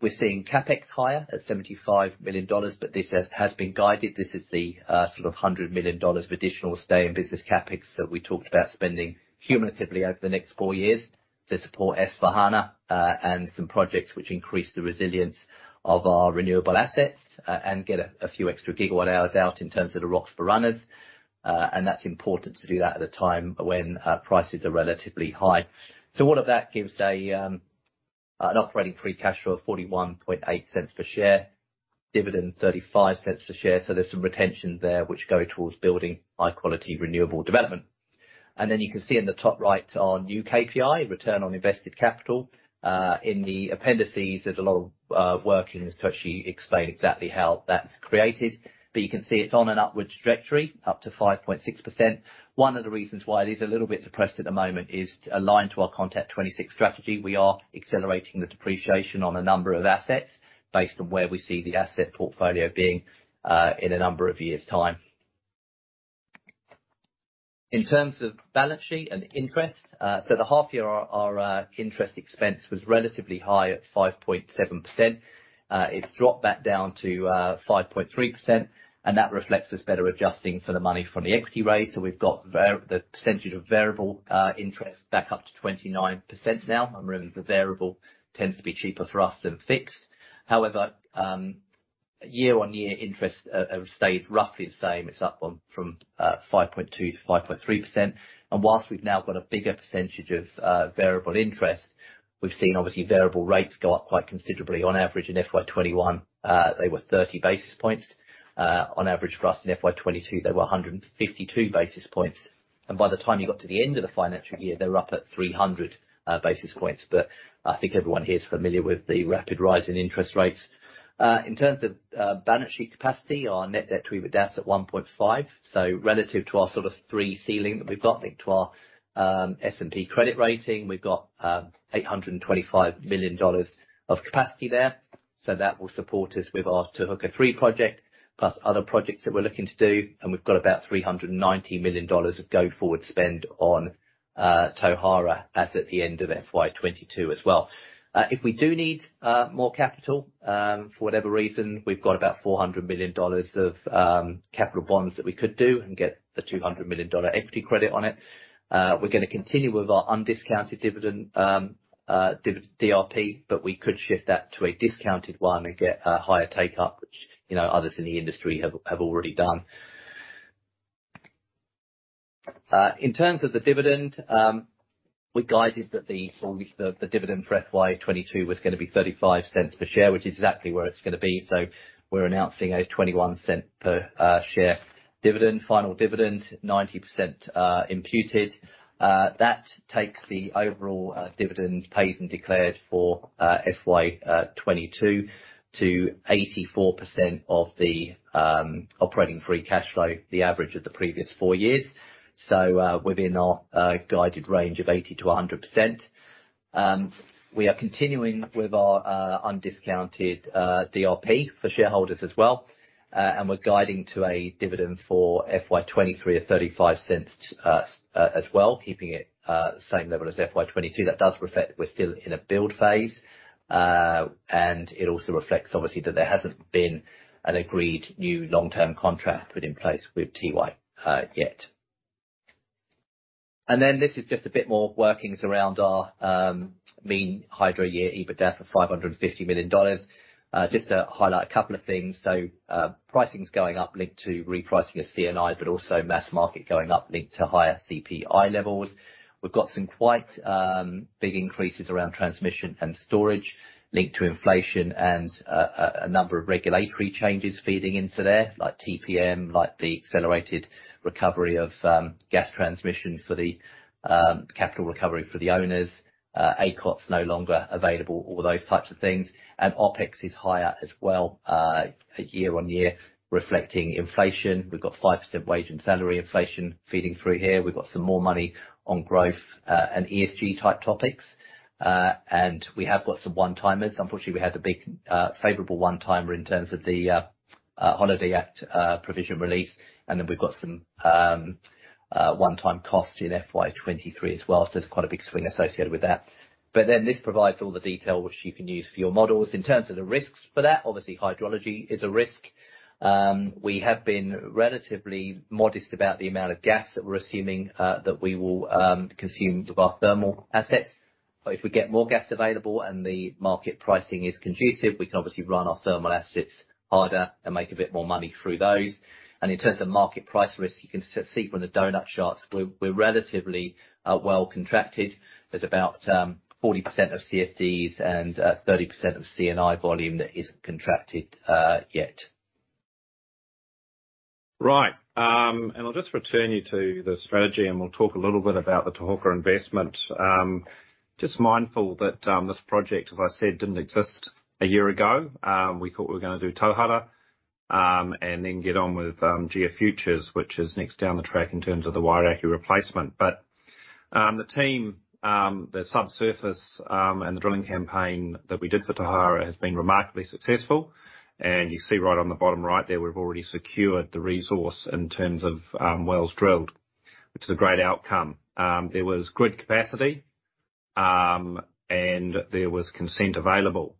C: We're seeing CapEx higher at 75 million dollars, but this has been guided. This is the sort of 100 million dollars of additional stay in business CapEx that we talked about spending cumulatively over the next four years to support S/4HANA and some projects which increase the resilience of our renewable assets and get a few extra gigawatt hours out in terms of the Roxburgh Runners. That's important to do that at a time when prices are relatively high. All of that gives an operating free cash flow of 0.418 per share. Dividend 0.35 per share. There's some retention there which go towards building high quality renewable development. Then you can see in the top right our new KPI, return on invested capital. In the appendices, there's a lot of workings to actually explain exactly how that's created. You can see it's on an upwards trajectory, up to 5.6%. One of the reasons why it is a little bit depressed at the moment is aligned to our Contact26 strategy. We are accelerating the depreciation on a number of assets based on where we see the asset portfolio being in a number of years' time. In terms of balance sheet and interest, the half year our interest expense was relatively high at 5.7%. It's dropped back down to 5.3%, and that reflects us better adjusting for the money from the equity raise. We've got the percentage of variable interest back up to 29% now. Really the variable tends to be cheaper for us than fixed. However, year-over-year interest stayed roughly the same. It's up from 5.2% to 5.3%. Whilst we've now got a bigger percentage of variable interest, we've seen obviously variable rates go up quite considerably. On average in FY 2021, they were 30 basis points. On average for us in FY 2022, they were 152 basis points. By the time you got to the end of the financial year, they were up at 300 basis points. I think everyone here is familiar with the rapid rise in interest rates. In terms of balance sheet capacity, our net debt to EBITDA is at 1.5. Relative to our sort of BBB ceiling that we've got linked to our S&P credit rating, we've got 825 million dollars of capacity there. That will support us with our Te Huka 3 project, plus other projects that we're looking to do. We've got about 390 million dollars of go forward spend on Tauhara as at the end of FY 2022 as well. If we do need more capital for whatever reason, we've got about 400 million dollars of capital bonds that we could do and get the 200 million dollar equity credit on it. We're gonna continue with our undiscounted dividend, DRP, but we could shift that to a discounted one and get a higher uptake, which, you know, others in the industry have already done. In terms of the dividend, we guided that the dividend for FY 2022 was gonna be 0.35 per share, which is exactly where it's gonna be. We're announcing a 21-cent per share final dividend, 90% imputed. That takes the overall dividend paid and declared for FY 2022 to 84% of the operating free cash flow, the average of the previous four years. Within our guided range of 80%-100%. We are continuing with our undiscounted DRP for shareholders as well, and we're guiding to a dividend for FY 2023 of 0.35 as well, keeping it the same level as FY 2022. That does reflect we're still in a build phase. It also reflects obviously that there hasn't been an agreed new long-term contract put in place with Tiwai yet. This is just a bit more workings around our mean hydro year EBITDA of 550 million dollars. Just to highlight a couple of things. Pricing's going up linked to repricing of C&I, but also mass market going up linked to higher CPI levels. We've got some quite big increases around transmission and storage linked to inflation and a number of regulatory changes feeding into there, like TPM, like the accelerated recovery of gas transmission for the capital recovery for the owners. ACOT's no longer available, all those types of things. OpEx is higher as well year-on-year, reflecting inflation. We've got 5% wage and salary inflation feeding through here. We've got some more money on growth and ESG type topics. We have got some one-timers. Unfortunately, we had a big favorable one-timer in terms of the Holidays Act provision release, and then we've got some one-time costs in FY 2023 as well. There's quite a big swing associated with that. This provides all the detail which you can use for your models. In terms of the risks for that, obviously hydrology is a risk. We have been relatively modest about the amount of gas that we're assuming that we will consume with our thermal assets. If we get more gas available and the market pricing is conducive, we can obviously run our thermal assets harder and make a bit more money through those. In terms of market price risk, you can see from the donut charts, we're relatively well contracted. There's about 40% of CFDs and 30% of C&I volume that isn't contracted yet.
B: Right. I'll just return you to the strategy, and we'll talk a little bit about the Te Huka investment. Just mindful that, this project, as I said, didn't exist a year ago. We thought we were gonna do Tauhara, and then get on with, GeoFuture, which is next down the track in terms of the Wairākei replacement. The team, the subsurface, and the drilling campaign that we did for Tauhara has been remarkably successful. You see right on the bottom right there, we've already secured the resource in terms of, wells drilled, which is a great outcome. There was grid capacity, and there was consent available.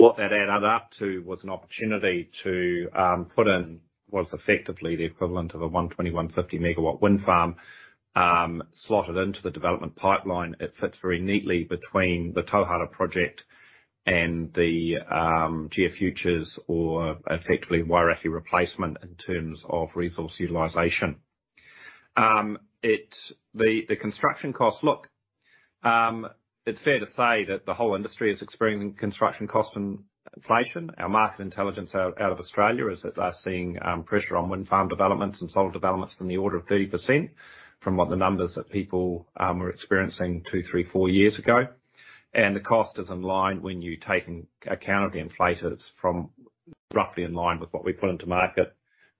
B: What that added up to was an opportunity to put in what's effectively the equivalent of a 120-150 megawatt wind farm, slotted into the development pipeline. It fits very neatly between the Tauhara project and the GeoFuture, or effectively Wairākei replacement in terms of resource utilization. The construction cost. Look, it's fair to say that the whole industry is experiencing construction cost inflation. Our market intelligence out of Australia is that they're seeing pressure on wind farm developments and solar developments in the order of 30% from what the numbers that people were experiencing 2, 3, 4 years ago. The cost is in line when you take into account the inflators from roughly in line with what we put into market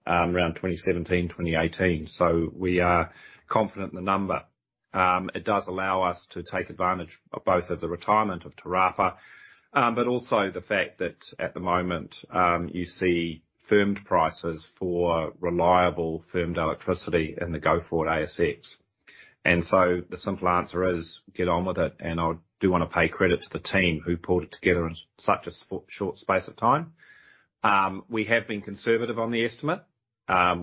B: around 2017, 2018. We are confident in the number. It does allow us to take advantage of both the retirement of Te Rapa, but also the fact that at the moment, you see firmed prices for reliable firmed electricity in the go forward ASX. The simple answer is get on with it, and I do wanna pay credit to the team who pulled it together in such a short space of time. We have been conservative on the estimate.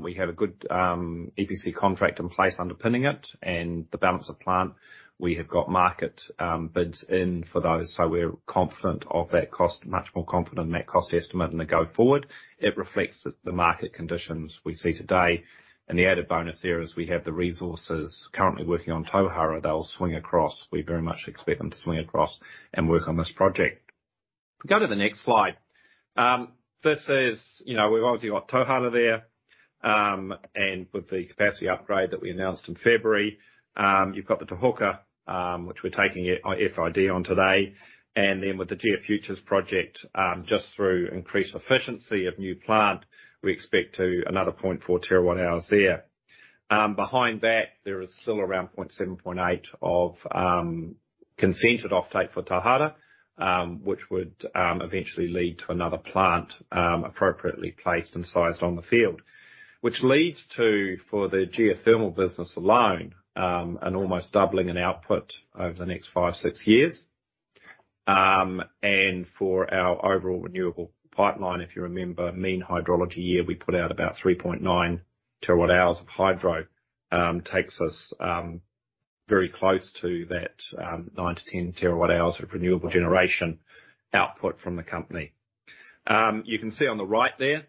B: We have a good EPC contract in place underpinning it and the balance of plant. We have got market bids in for those, so we're confident of that cost, much more confident in that cost estimate in the go forward. It reflects the market conditions we see today. The added bonus there is we have the resources currently working on Tauhara, they'll swing across. We very much expect them to swing across and work on this project. Go to the next slide. This is, we've obviously got Tauhara there, and with the capacity upgrade that we announced in February, you've got the Te Huka, which we're taking it FID on today. With the GeoFuture project, just through increased efficiency of new plant, we expect another 0.4 terawatt hours there. Behind that, there is still around 0.78 of consented offtake for Tauhara, which would eventually lead to another plant, appropriately placed and sized on the field. Which leads to, for the geothermal business alone, an almost doubling in output over the next five, six years. For our overall renewable pipeline, if you remember, mean hydrology year, we put out about 3.9 terawatt-hours of hydro. Takes us very close to that 9-10 terawatt-hours of renewable generation output from the company. You can see on the right there,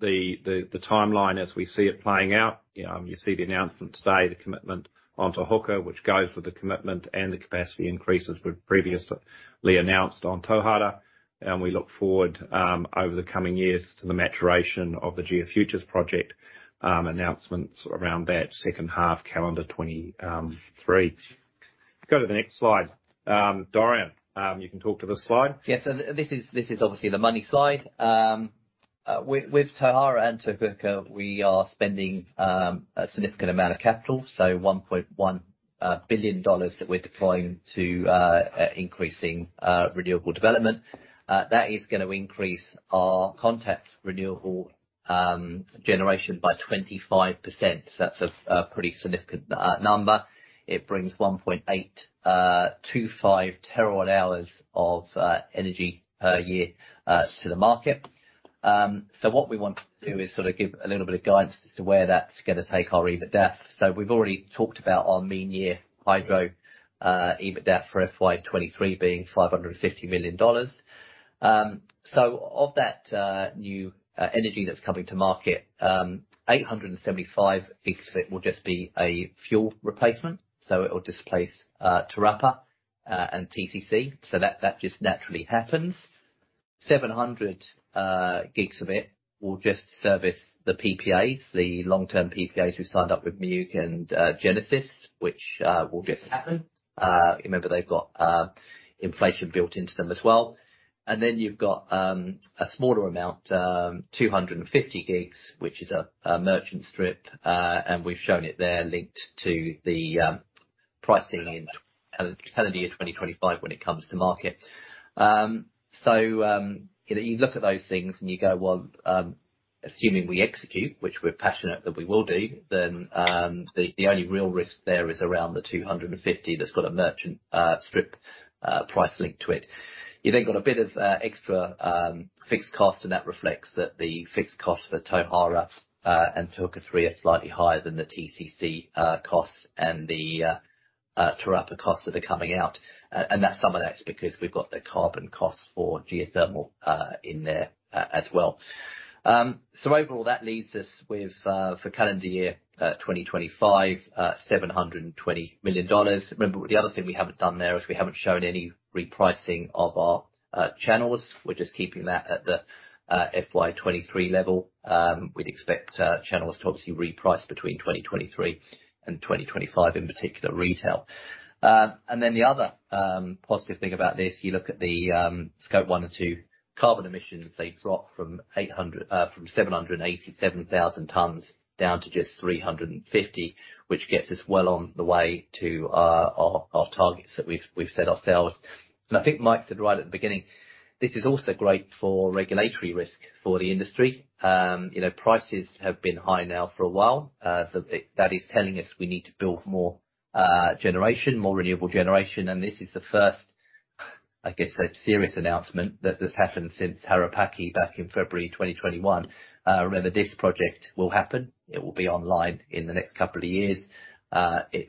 B: the timeline as we see it playing out. You see the announcement today, the commitment on Te Huka, which goes with the commitment and the capacity increases were previously announced on Tauhara, and we look forward over the coming years to the maturation of the GeoFuture project, announcements around that second half calendar 2023. Go to the next slide. Dorian, you can talk to this slide.
C: This is obviously the money slide. With Tauhara and Te Huka, we are spending a significant amount of capital, so 1.1 billion dollars that we're deploying to increasing renewable development. That is gonna increase our Contact's renewable generation by 25%. That's a pretty significant number. It brings 1.825 TWh of energy per year to the market. What we want to do is sort of give a little bit of guidance as to where that's gonna take our EBITDA. We've already talked about our mean year hydro EBITDA for FY 2023 being 550 million dollars. Of that new energy that's coming to market, 875 gigs of it will just be a fuel replacement, so it will displace Te Rapa and TCC. That just naturally happens. 700 gigs of it will just service the PPAs, the long-term PPAs we signed up with Mayuk and Genesis, which will just happen. Remember, they've got inflation built into them as well. Then you've got a smaller amount, 250 gigs, which is a merchant strip, and we've shown it there linked to the pricing in calendar year 2025 when it comes to market. You look at those things and you go, well, assuming we execute, which we're passionate that we will do, then the only real risk there is around the 250 million that's got a merchant strip price linked to it. You then got a bit of extra fixed cost, and that reflects that the fixed cost for Tauhara and Te Huka 3 are slightly higher than the TCC costs and the throughput costs that are coming out. And that's some of that because we've got the carbon costs for geothermal in there as well. Overall, that leaves us with for calendar year 2025 720 million dollars. Remember, the other thing we haven't done there is we haven't shown any repricing of our channels. We're just keeping that at the FY 2023 level. We'd expect channels to obviously reprice between 2023 and 2025, in particular retail. Then the other positive thing about this, you look at the Scope 1 and 2 carbon emissions, they drop from 787,000 tons down to just 350 thousand tons, which gets us well on the way to our targets that we've set ourselves. I think Mike said right at the beginning, this is also great for regulatory risk for the industry. You know, prices have been high now for a while, so that is telling us we need to build more generation, more renewable generation. This is the first, I guess, a serious announcement that this happened since Harapaki back in February 2021. Remember, this project will happen. It will be online in the next couple of years.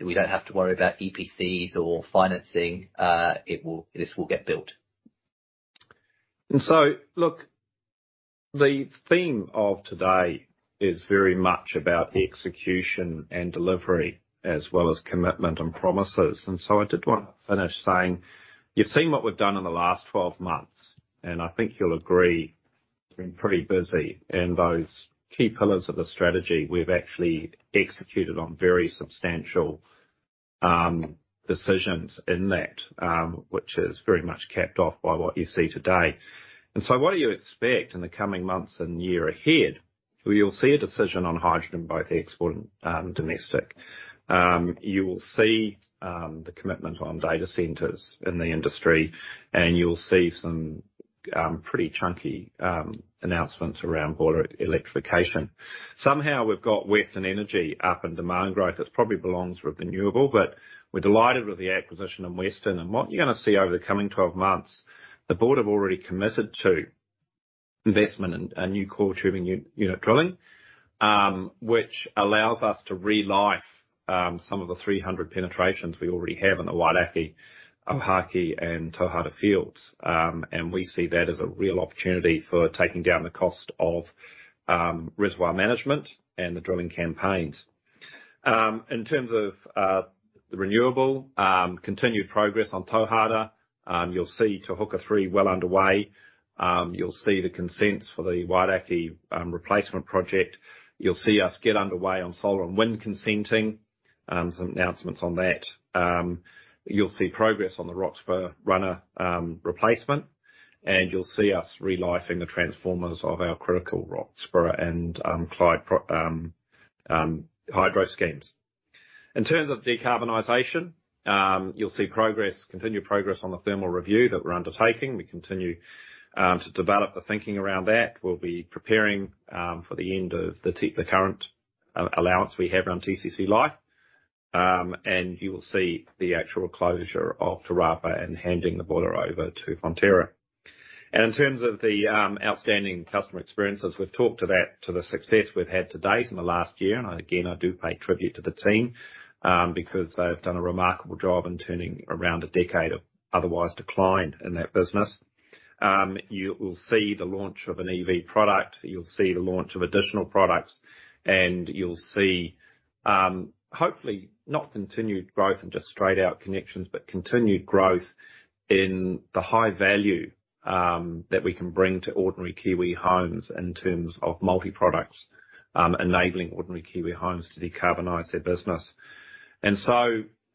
C: We don't have to worry about EPCs or financing. This will get built.
B: Look, the theme of today is very much about execution and delivery as well as commitment and promises. I did wanna finish saying, you've seen what we've done in the last 12 months, and I think you'll agree it's been pretty busy. Those key pillars of the strategy, we've actually executed on very substantial decisions in that, which is very much capped off by what you see today. What do you expect in the coming months and year ahead? Well, you'll see a decision on hydrogen, both export and domestic. You will see the commitment on data centers in the industry, and you'll see some pretty chunky announcements around bolder electrification. Somehow we've got Western Energy up and demand growth that's probably belongs with renewable, but we're delighted with the acquisition of Western. What you're gonna see over the coming 12 months, the board have already committed to investment in a new core tubing unit drilling, which allows us to re-life some of the 300 penetrations we already have in the Wairākei, Ahuroa, and Tauhara fields. We see that as a real opportunity for taking down the cost of reservoir management and the drilling campaigns. In terms of the renewable, continued progress on Tauhara, you'll see Tauhara well underway. You'll see the consents for the Wairākei replacement project. You'll see us get underway on solar and wind consenting, some announcements on that. You'll see progress on the Roxburgh Runner replacement, and you'll see us re-lifeing the transformers of our critical Roxburgh and Clyde hydro schemes. In terms of decarbonization, you'll see progress, continued progress on the thermal review that we're undertaking. We continue to develop the thinking around that. We'll be preparing for the end of the current allowance we have around TCC life, and you will see the actual closure of Te Rapa and handing the boiler over to Fonterra. In terms of the outstanding customer experiences, we've talked to that, to the success we've had to date in the last year. I do pay tribute to the team, because they've done a remarkable job in turning around a decade of otherwise decline in that business. You will see the launch of an EV product, you'll see the launch of additional products, and you'll see, hopefully not continued growth and just straight out connections, but continued growth in the high value that we can bring to ordinary Kiwi homes in terms of multi-products, enabling ordinary Kiwi homes to decarbonize their business.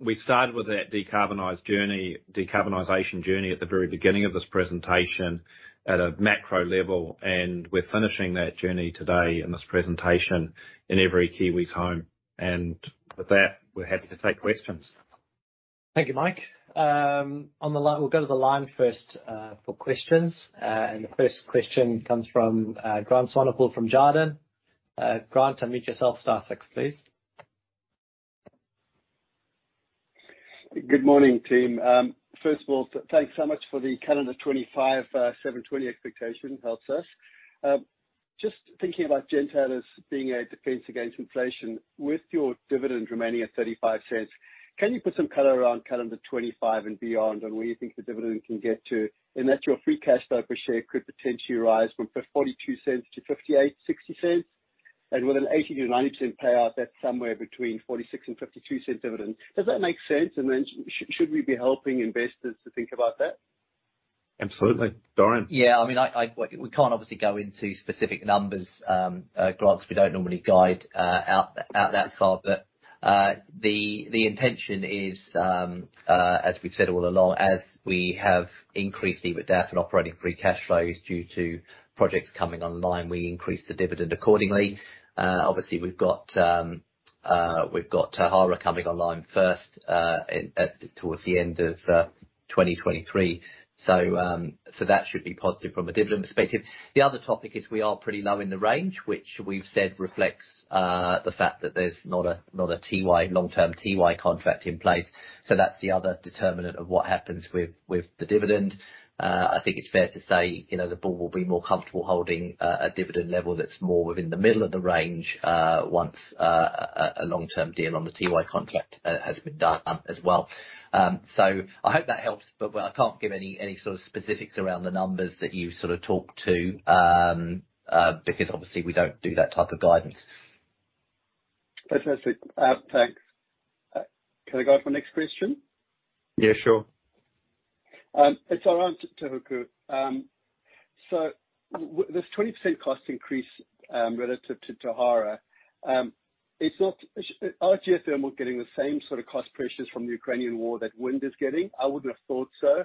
B: We started with that decarbonized journey, decarbonization journey at the very beginning of this presentation at a macro level, and we're finishing that journey today in this presentation in every Kiwi's home. With that, we're happy to take questions.
C: Thank you, Mike. On the line. We'll go to the line first for questions. The first question comes from Grant Swanepoel from Jarden. Grant, unmute yourself, star six, please.
D: Good morning, team. First of all, thanks so much for the calendar 2025, 720 expectation.
C: Mm-hmm.
D: Help us. Just thinking about gentailers being a defense against inflation. With your dividend remaining at 0.35, can you put some color around 2025 and beyond on where you think the dividend can get to? Your free cash flow per share could potentially rise from 42 cents to 58-60 cents. With an 80%-90% payout, that's somewhere between 46 and 52 cents dividend. Does that make sense? Should we be helping investors to think about that?
B: Absolutely. Dorian.
C: Yeah. I mean, we can't obviously go into specific numbers, Grant. We don't normally guide out that far. The intention is, as we've said all along, as we have increased EBITDA and operating free cash flows due to projects coming online, we increase the dividend accordingly. Obviously, we've got Tauhara coming online first, towards the end of 2023. That should be positive from a dividend perspective. The other topic is we are pretty low in the range, which we've said reflects the fact that there's not a long-term NZAS contract in place. That's the other determinant of what happens with the dividend. I think it's fair to say, you know, the board will be more comfortable holding a dividend level that's more within the middle of the range, once a long-term deal on the NZAS contract has been done as well. I hope that helps, but I can't give any sort of specifics around the numbers that you sort of talked to, because obviously we don't do that type of guidance.
D: Fantastic. Thanks. Can I go on to my next question?
B: Yeah, sure.
D: It's around Te Huka. This 20% cost increase relative to Tauhara, are geothermal getting the same sort of cost pressures from the Ukrainian war that wind is getting? I wouldn't have thought so.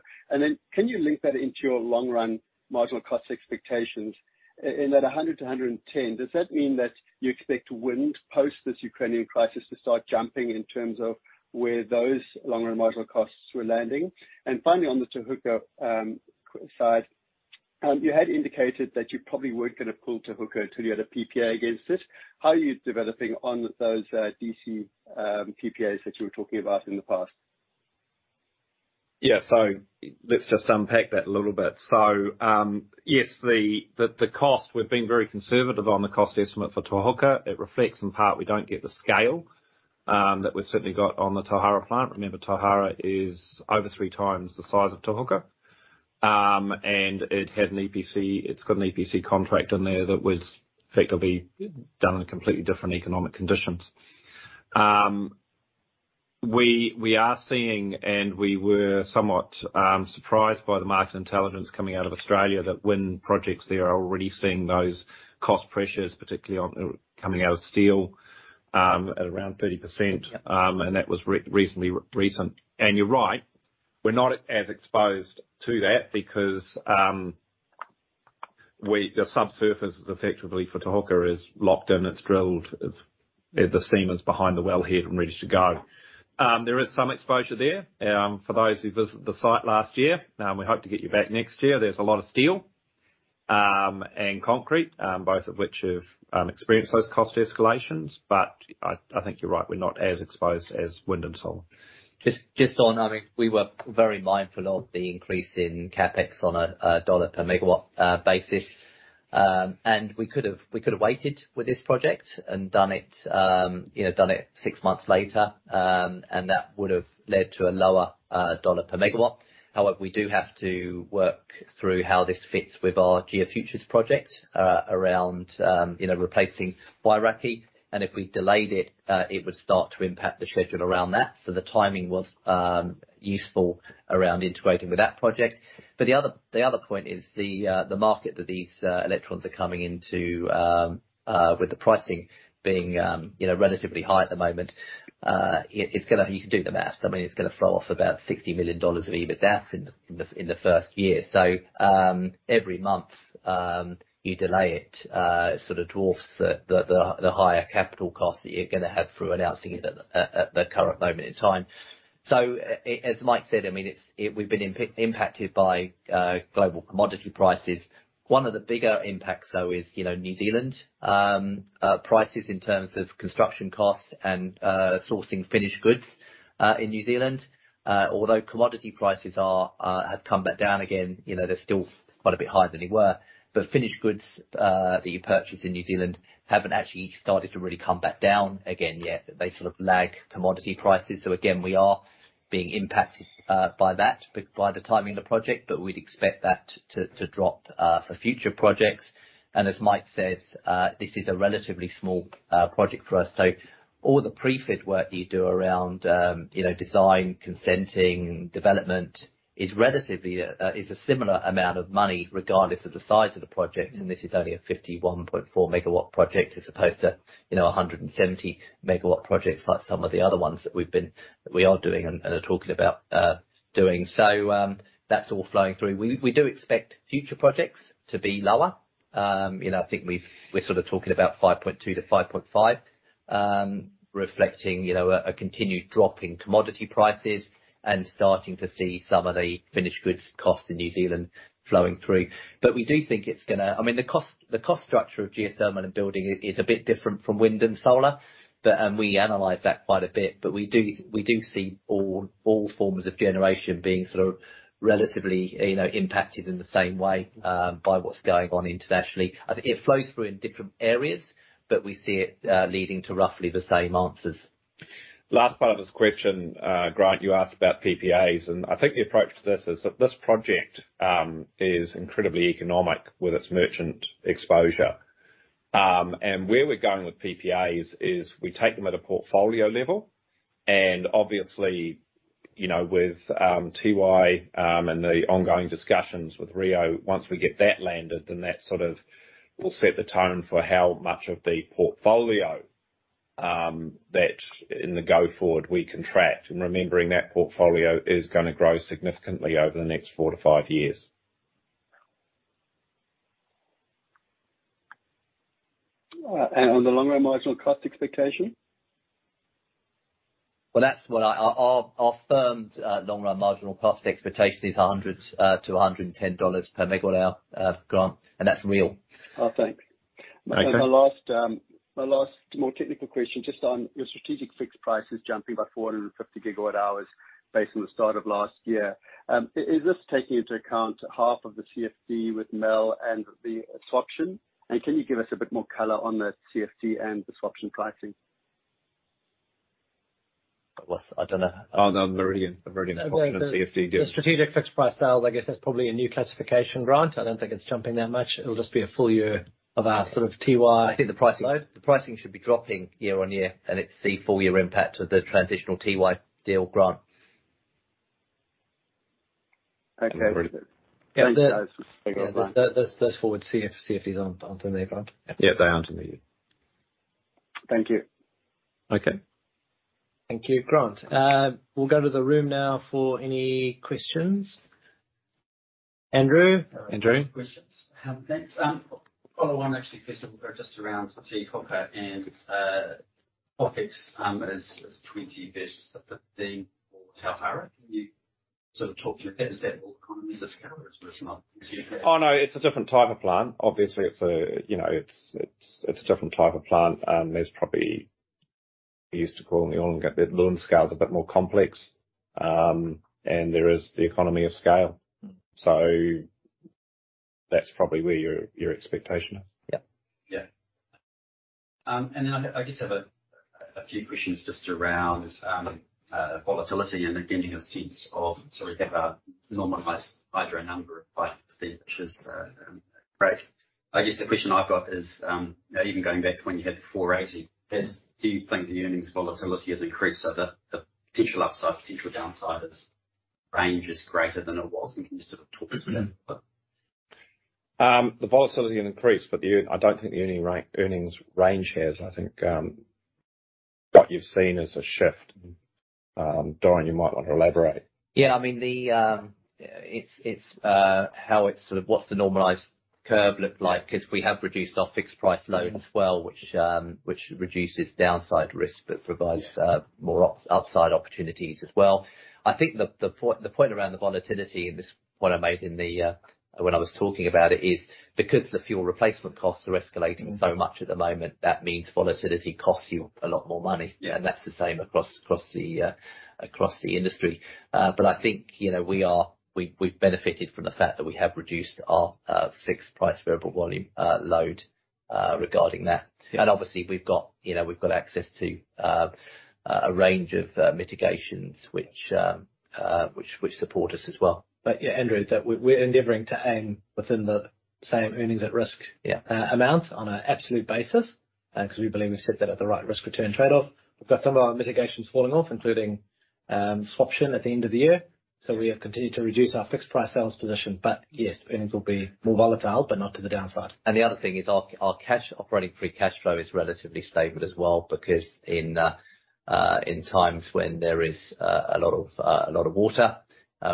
D: Can you link that into your long run marginal cost expectations? In that 100-110, does that mean that you expect wind post this Ukrainian crisis to start jumping in terms of where those long run marginal costs were landing? On the Te Huka side, you had indicated that you probably weren't gonna pull Te Huka till you had a PPA against it. How are you developing on those C&I PPAs that you were talking about in the past?
B: Yeah. Let's just unpack that a little bit. Yes, the cost, we've been very conservative on the cost estimate for Te Huka. It reflects, in part, we don't get the scale that we've certainly got on the Tauhara plant. Remember, Tauhara is over three times the size of Te Huka. It had an EPC. It's got an EPC contract in there that was effectively done in completely different economic conditions. We are seeing, and we were somewhat surprised by the market intelligence coming out of Australia, that wind projects there are already seeing those cost pressures, particularly on coming out of steel at around 30%. That was recently. You're right, we're not as exposed to that because the subsurface is effectively for Te Huka is locked in. It's drilled. The seam is behind the wellhead and ready to go. There is some exposure there. For those who visited the site last year, we hope to get you back next year. There's a lot of steel and concrete, both of which have experienced those cost escalations. I think you're right, we're not as exposed as wind and solar.
C: Just on, I think we were very mindful of the increase in CapEx on a dollar per megawatt basis. We could have waited with this project and done it, you know, six months later. That would've led to a lower dollar per megawatt. However, we do have to work through how this fits with our GeoFuture project, around you know replacing Wairākei. If we delayed it would start to impact the schedule around that. The timing was useful around integrating with that project. The other point is the market that these electrons are coming into, with the pricing being, you know, relatively high at the moment. It's gonna. You can do the math. I mean, it's gonna throw off about 60 million dollars of EBITDA in the first year. Every month you delay it sort of dwarfs the higher capital cost that you're gonna have through announcing it at the current moment in time. As Mike said, I mean, we've been impacted by global commodity prices. One of the bigger impacts though is, you know, New Zealand prices in terms of construction costs and sourcing finished goods in New Zealand. Although commodity prices have come back down again, you know, they're still quite a bit higher than they were. Finished goods that you purchase in New Zealand haven't actually started to really come back down again yet. They sort of lag commodity prices. Again, we are being impacted by the timing of the project, but we'd expect that to drop for future projects. As Mike says, this is a relatively small project for us. All the pre-fit work that you do around, you know, design, consenting, development is relatively a similar amount of money regardless of the size of the project. This is only a 51.4 MW project as opposed to, you know, 170 MW projects like some of the other ones that we are doing and are talking about doing. That's all flowing through. We do expect future projects to be lower. You know, I think we're sort of talking about 5.2%-5.5%, reflecting, you know, a continued drop in commodity prices and starting to see some of the finished goods costs in New Zealand flowing through. We do think it's gonna I mean, the cost structure of geothermal and building is a bit different from wind and solar. We analyze that quite a bit, but we do see all forms of generation being sort of relatively, you know, impacted in the same way by what's going on internationally. I think it flows through in different areas, but we see it leading to roughly the same answers.
B: Last part of this question, Grant, you asked about PPAs, and I think the approach to this is that this project is incredibly economic with its merchant exposure. Where we're going with PPAs is we take them at a portfolio level, and obviously, you know, with Tiwai and the ongoing discussions with Rio, once we get that landed, then that sort of will set the tone for how much of the portfolio that going forward we contract, and remembering that portfolio is gonna grow significantly over the next 4-5 years.
D: On the long run marginal cost expectation?
C: Well, that's what our firm long run marginal cost expectation is 100-110 dollars per MWh, Grant, and that's real.
D: Oh, thanks.
B: Okay.
D: My last more technical question, just on your strategic fixed prices jumping by 450 GWh based on the start of last year. Is this taking into account half of the CFD with Meridian and the swaption? And can you give us a bit more color on the CFD and the swaption pricing?
B: I don't know.
C: Oh, no. Meridian
B: The strategic fixed price sales, I guess that's probably a new classification, Grant. I don't think it's jumping that much. It'll just be a full year of our sort of NZAS load.
C: I think the pricing should be dropping year on year, and it's the full year impact of the transitional NZAS deal, Grant.
B: Okay.
C: Yeah.
B: Thanks, guys.
C: Those forward CF, CFDs aren't in there, Grant.
B: Yeah. They aren't in there, yeah.
C: Thank you.
B: Okay.
A: Thank you, Grant. We'll go to the room now for any questions. Andrew. Andrew. Questions.
E: Thanks, follow on actually first of all, just around Te Rapa and OpEx, as NZD 20 versus the NZD 15 for Tauhara. Can you sort of talk me through that? Is that all economies of scale or is there something else?
B: Oh, no, it's a different type of plant. Obviously, you know, it's a different type of plant. The large scale is a bit more complex, and there is the economy of scale.
E: Mm.
B: That's probably where your expectation is.
E: I just have a few questions just around volatility and again, your sense of sort of have a normalized hydro number of 5, which is great. I guess the question I've got is, even going back to when you had the 480, do you think the earnings volatility has increased so the potential upside, potential downside range is greater than it was? Can you sort of talk to that a little bit?
B: The volatility increased, but I don't think the earnings range has. I think what you've seen is a shift. Dorian, you might want to elaborate.
C: Yeah. I mean, it's how it's sort of what's the normalized curve look like, 'cause we have reduced our fixed price load as well, which reduces downside risk, but provides more outside opportunities as well. I think the point around the volatility, and this point I made when I was talking about it, is because the fuel replacement costs are escalating so much at the moment, that means volatility costs you a lot more money.
E: Yeah.
C: That's the same across the industry. I think, you know, we've benefited from the fact that we have reduced our fixed price variable volume load regarding that.
E: Yeah.
C: Obviously, we've got, you know, access to a range of mitigations which support us as well.
B: Yeah, Andrew, that we're endeavoring to aim within the same earnings at risk.
C: Yeah
B: amount on an absolute basis, 'cause we believe we've set that at the right risk return trade-off. We've got some of our mitigations falling off, including, swap option at the end of the year, so we have continued to reduce our fixed price sales position. Yes, earnings will be more volatile, but not to the downside.
C: The other thing is our cash operating free cash flow is relatively stable as well because in times when there is a lot of water,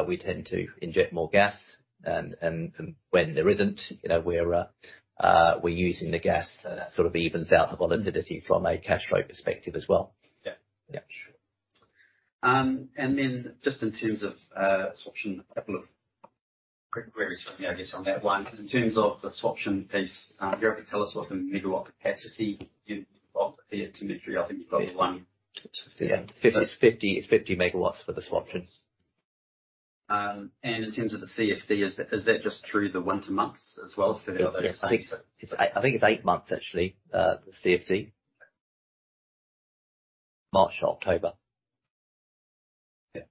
C: we tend to inject more gas, and when there isn't, you know, we're using the gas, sort of evens out the volatility from a cash flow perspective as well.
B: Yeah.
C: Yeah.
E: Sure. Just in terms of swap option, a couple of quick queries from me, I guess, on that one. In terms of the swap option piece, if you could tell us what the megawatt capacity you've got there? To me, I think you've got one.
C: Yeah. 50, 50 MW for the swap options.
E: In terms of the CFD, is that just through the winter months as well?
C: I think it's 8 months actually, the CFD. March to October.
E: Yeah.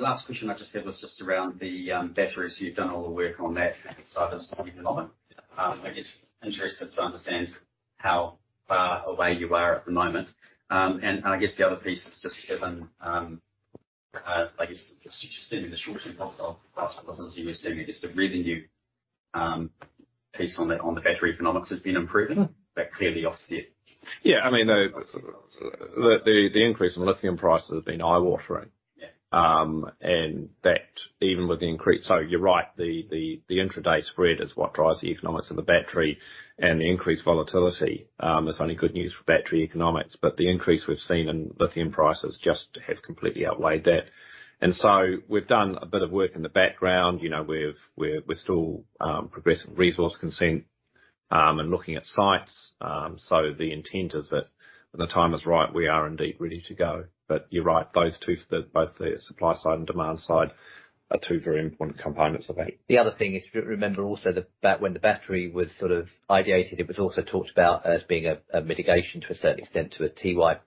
E: Last question I just had was just around the batteries. You've done all the work on that side at the moment. I guess interested to understand how far away you are at the moment. I guess the other piece is just given the shortage of
B: Yeah.
E: Just the revenue piece on the battery economics has been improving. That clearly offset.
B: I mean, the increase in lithium prices has been eye-watering.
E: Yeah.
B: That even with the increase. You're right, the intraday spread is what drives the economics of a battery, and the increased volatility is only good news for battery economics. The increase we've seen in lithium prices just have completely outweighed that. We've done a bit of work in the background. You know, we're still progressing resource consent and looking at sites. The intent is that when the time is right, we are indeed ready to go. You're right, those two, both the supply side and demand side are two very important components of it.
C: The other thing is to remember also when the battery was sort of ideated, it was also talked about as being a mitigation to a certain extent to a NZAS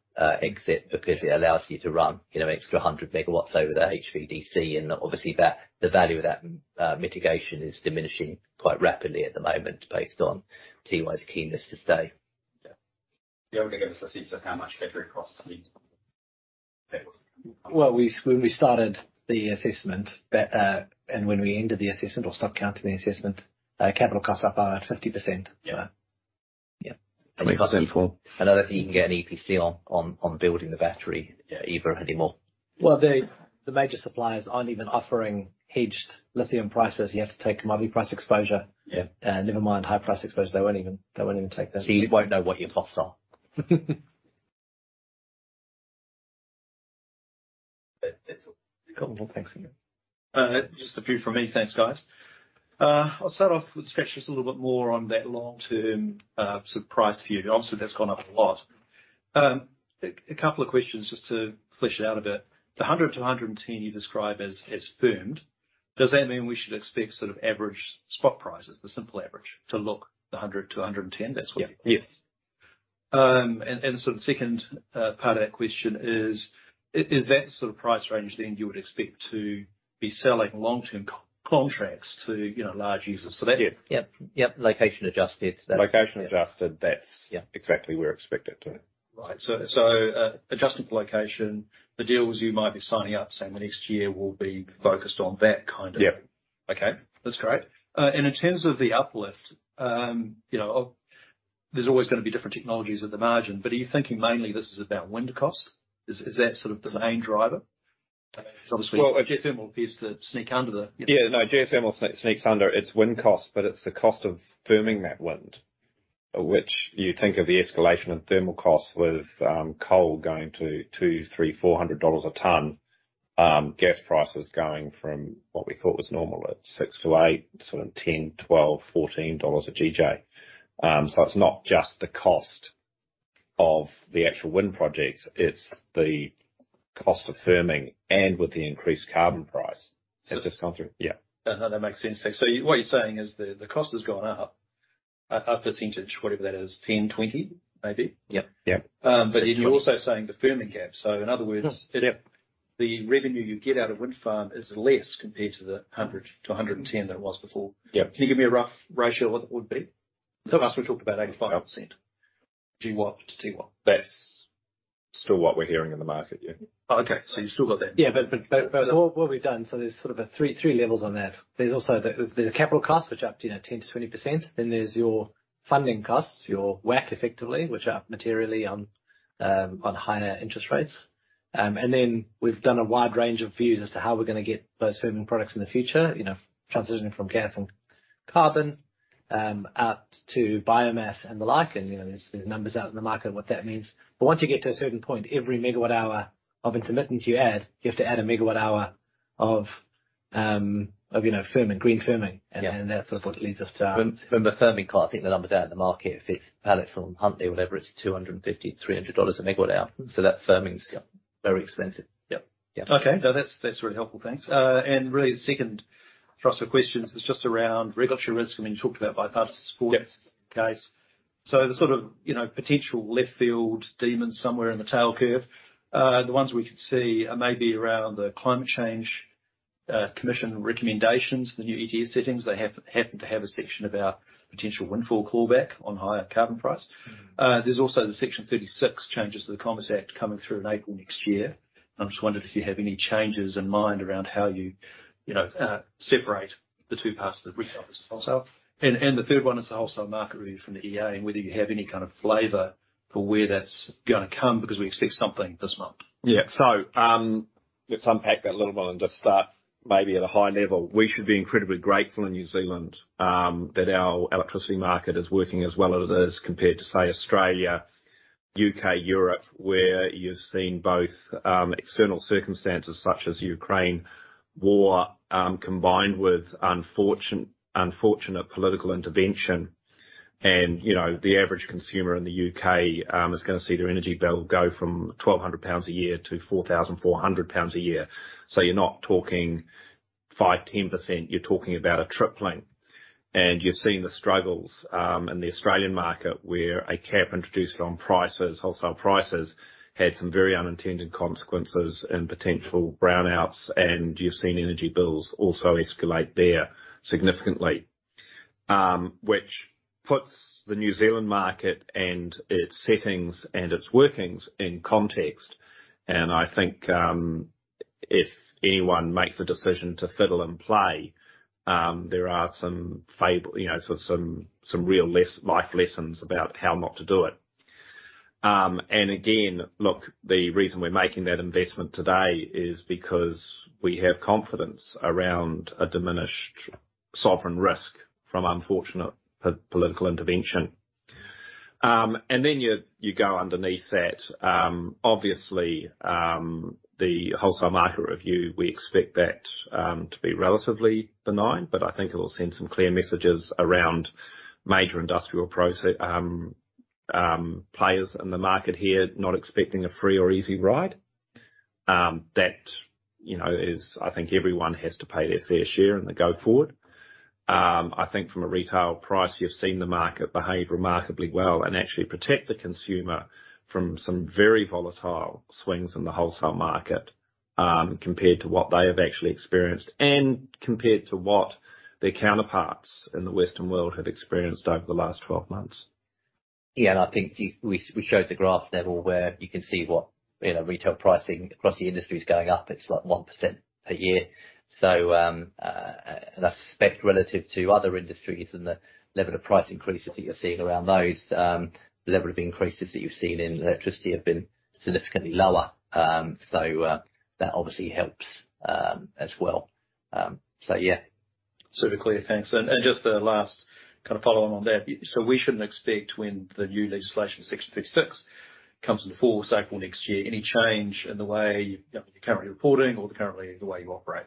C: exit, because it allows you to run, you know, an extra 100 megawatts over the HVDC, and obviously that, the value of that mitigation is diminishing quite rapidly at the moment based on NZAS's keenness to stay.
E: Yeah. Be able to give us a sense of how much battery costs?
B: Well, when we started the assessment, and when we ended the assessment or stopped counting the assessment, capital costs are about 50%.
E: Yeah.
B: Yeah.
E: And we can't see for...
C: I don't know if you can get an EPC on building the battery, either anymore.
B: Well, the major suppliers aren't even offering hedged lithium prices. You have to take monthly price exposure.
E: Yeah.
B: Never mind high price exposure. They won't even take that.
C: You won't know what your costs are.
E: That's all.
B: Cool. Well, thanks again.
F: Just a few from me. Thanks, guys. I'll start off with perhaps just a little bit more on that long-term sort of price for you. Obviously, that's gone up a lot. A couple of questions just to flesh it out a bit. The 100 to 110 you describe as firmed. Does that mean we should expect sort of average spot prices, the simple average, to look 100-110? That's what
B: Yeah. Yes.
F: The second part of that question is that sort of price range then you would expect to be selling long-term contracts to, you know, large users so that
B: Yep.
C: Yep. Yep. Location adjusted.
B: Location adjusted.
C: Yeah.
B: That's exactly where we expect it to.
F: Right. Adjusting for location, the deals you might be signing up, say, next year will be focused on that kind of-
B: Yeah.
F: Okay, that's great. In terms of the uplift, you know, there's always gonna be different technologies at the margin, but are you thinking mainly this is about wind cost? Is that sort of the main driver? Obviously.
B: Well-
F: Geothermal appears to sneak under the.
B: Yeah. No, geothermal sneaks under. It's wind cost, but it's the cost of firming that wind, which you think of the escalation in thermal costs with coal going to 200, 300, 400 dollars a ton. Gas prices going from what we thought was normal at 6-8, sort of 10, 12, 14 dollars a GJ. It's not just the cost of the actual wind projects, it's the cost of firming and with the increased carbon price that's just come through. Yeah.
F: No, no, that makes sense. What you're saying is the cost has gone up a percentage, whatever that is, 10, 20, maybe.
C: Yep.
B: Yep.
F: You're also saying the firming gap. In other words
C: Yeah.
F: The revenue you get out of wind farm is less compared to the 100-110 that it was before.
B: Yep.
F: Can you give me a rough ratio of what that would be? Some of us, we talked about 85% GW to TW.
B: That's still what we're hearing in the market. Yeah.
F: Okay. You've still got that.
C: But what we've done, so there's sort of three levels on that. There's the capital cost, which are up, you know, 10%-20%. Then there's your funding costs, your WACC effectively, which are up materially on higher interest rates. We've done a wide range of views as to how we're gonna get those firming products in the future. You know, transitioning from gas and carbon out to biomass and the like. You know, there's numbers out in the market on what that means. Once you get to a certain point, every megawatt hour of intermittency you add, you have to add a megawatt hour of firming, green firming.
F: Yeah.
C: That's sort of what leads us to.
B: From the firming part, I think the numbers out in the market, if it's Alex or Huntly, whatever, it's 250-300 dollars/MWh. That firming is-
C: Yeah.
B: Very expensive.
C: Yep.
B: Yeah.
F: Okay. No, that's really helpful. Thanks. Really the second thrust of questions is just around regulatory risk. I mean, you talked about bipartisan support.
B: Yeah.
F: The sort of, you know, potential left field demons somewhere in the tail curve. The ones we could see are maybe around the Climate Change Commission recommendations, the new ETS settings. They happen to have a section about potential windfall clawback on higher carbon price. There's also the Section 36 changes to the Commerce Act coming through in April next year. I'm just wondering if you have any changes in mind around how you know, separate the two parts of the retail versus wholesale. And the third one is the wholesale market review from the EA, and whether you have any kind of flavor for where that's gonna come, because we expect something this month.
B: Yeah. Let's unpack that a little more and just start maybe at a high level. We should be incredibly grateful in New Zealand that our electricity market is working as well as it is compared to, say, Australia, U.K., Europe, where you've seen both external circumstances such as Ukraine war combined with unfortunate political intervention. You know, the average consumer in the U.K. is gonna see their energy bill go from 1,200 pounds a year to 4,400 pounds a year. You're not talking 5, 10%, you're talking about a tripling. You're seeing the struggles in the Australian market where a cap introduced on prices, wholesale prices, had some very unintended consequences and potential brownouts, and you've seen energy bills also escalate there significantly. Which puts the New Zealand market and its settings and its workings in context. I think, if anyone makes a decision to fiddle and play, there are some fables, you know, some real life lessons about how not to do it. Again, look, the reason we're making that investment today is because we have confidence around a diminished sovereign risk from unfortunate political intervention. You go underneath that. Obviously, the wholesale market review, we expect that to be relatively benign, but I think it will send some clear messages around major industrial players in the market here not expecting a free or easy ride. That, you know, is. I think everyone has to pay their fair share in the going forward. I think from a retail price, you've seen the market behave remarkably well and actually protect the consumer from some very volatile swings in the wholesale market, compared to what they have actually experienced and compared to what their counterparts in the Western world have experienced over the last 12 months.
C: Yeah, I think we showed the graph level where you can see what, you know, retail pricing across the industry is going up. It's like 1% per year. I suspect relative to other industries and the level of price increases that you're seeing around those, the level of increases that you've seen in electricity have been significantly lower. That obviously helps, as well. Yeah.
F: Super clear. Thanks. Just the last kind of follow on that. So we shouldn't expect, when the new legislation, Section 36, comes into force April next year, any change in the way you're currently reporting or currently the way you operate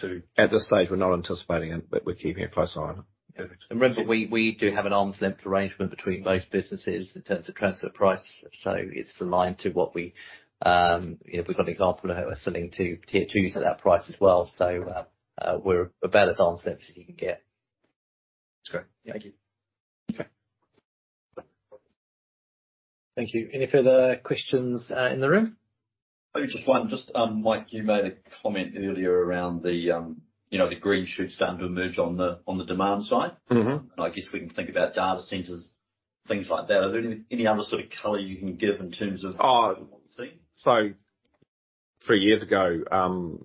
F: too?
B: At this stage, we're not anticipating it, but we're keeping a close eye on it.
F: Perfect.
C: Remember, we do have an arm's length arrangement between both businesses in terms of transfer price. It's aligned to what we, you know, we've got an example of how we're selling to tier twos at that price as well. We're about as arm's length as you can get.
B: That's great. Thank you. Okay. Thank you. Any further questions in the room? Maybe just one. Just, Mike, you made a comment earlier around the, you know, the green shoots starting to emerge on the, on the demand side. I guess we can think about data centers, things like that. Are there any other sort of color you can give in terms of- Oh. What we want to see? Three years ago, Open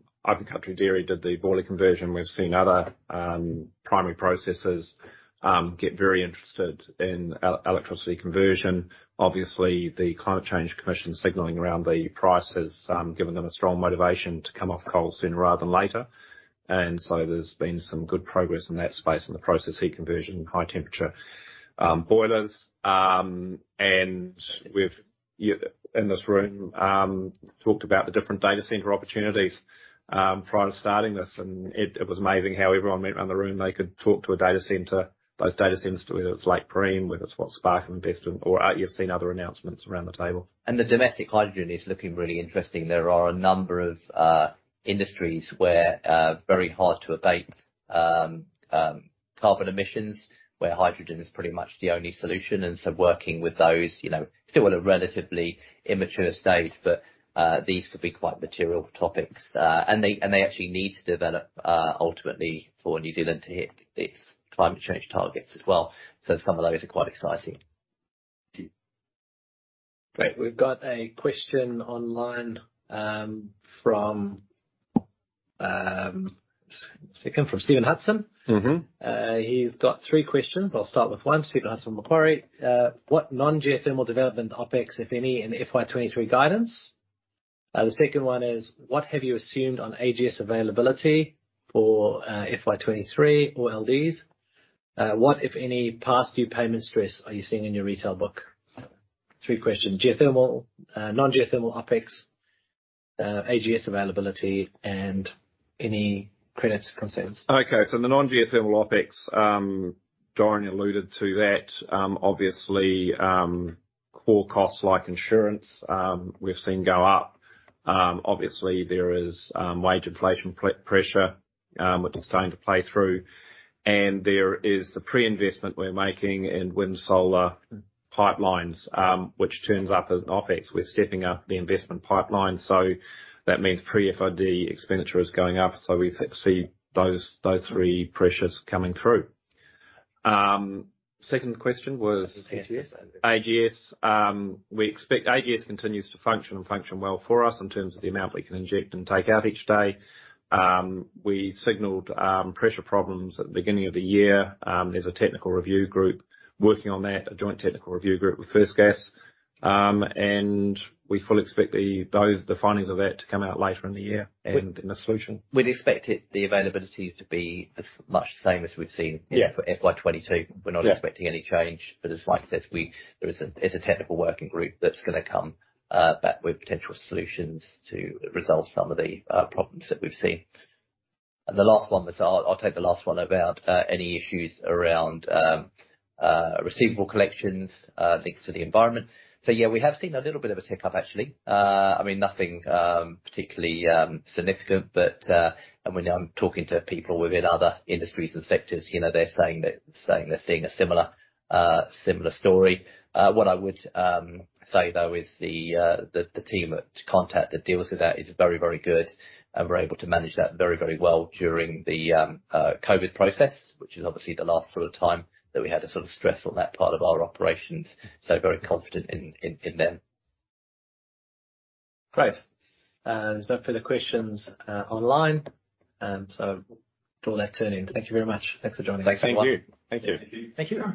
B: Country Dairy did the boiler conversion. We've seen other primary processors get very interested in electricity conversion. Obviously, the Climate Change Commission signaling around the price has given them a strong motivation to come off coal sooner rather than later. There's been some good progress in that space in the process heat conversion and high temperature boilers. We've, in this room, talked about the different data center opportunities prior to starting this, and it was amazing how everyone went around the room. They could talk about a data center. Those data centers, whether it's Lake Parime, whether it's what Spark have invested or, you've seen other announcements around the table.
C: The domestic hydrogen is looking really interesting. There are a number of industries where very hard to abate carbon emissions, where hydrogen is pretty much the only solution. Working with those, you know, still at a relatively immature state, but these could be quite material topics. They actually need to develop ultimately for New Zealand to hit its climate change targets as well. Some of those are quite exciting.
A: Great. We've got a question online from Stephen Hudson.
B: He's got three questions. I'll start with one. Stephen Hudson, Macquarie. What non-geothermal development OpEx, if any, in FY 2023 guidance? The second one is, what have you assumed on AGS availability for, FY 2023 or LDs? What, if any, past due payment stress are you seeing in your retail book? Three questions. Geothermal, non-geothermal OpEx, AGS availability, and any credit concerns. Okay, the non-geothermal OpEx, Dorian alluded to that. Obviously, core costs like insurance, we've seen go up. Obviously, there is wage inflation pressure, which is starting to play through. There is the pre-investment we're making in wind solar pipelines, which turns up as OpEx. We're stepping up the investment pipeline, so that means pre-FID expenditure is going up. We see those three pressures coming through. Second question was AGS. AGS, we expect AGS continues to function well for us in terms of the amount we can inject and take out each day. We signaled pressure problems at the beginning of the year. There's a technical review group working on that, a joint technical review group with First Gas. We fully expect the findings of that to come out later in the year and the solution.
C: We'd expect the availability to be much the same as we've seen.
B: Yeah.
C: for FY 2022.
B: Yeah.
C: We're not expecting any change. As Mike says, there is a technical working group that's gonna come back with potential solutions to resolve some of the problems that we've seen. The last one was, I'll take the last one about any issues around receivable collections linked to the environment. Yeah, we have seen a little bit of a tick up, actually. I mean, nothing particularly significant, but, and when I'm talking to people within other industries and sectors, you know, they're saying that they're seeing a similar story. What I would say, though, is the team at Contact that deals with that is very, very good, and were able to manage that very, very well during the COVID process, which is obviously the last sort of time that we had the sort of stress on that part of our operations. Very confident in them.
A: Great. There's no further questions, online, with all that turned in, thank you very much. Thanks for joining us.
C: Thanks a lot.
B: Thank you. Thank you. Thank you.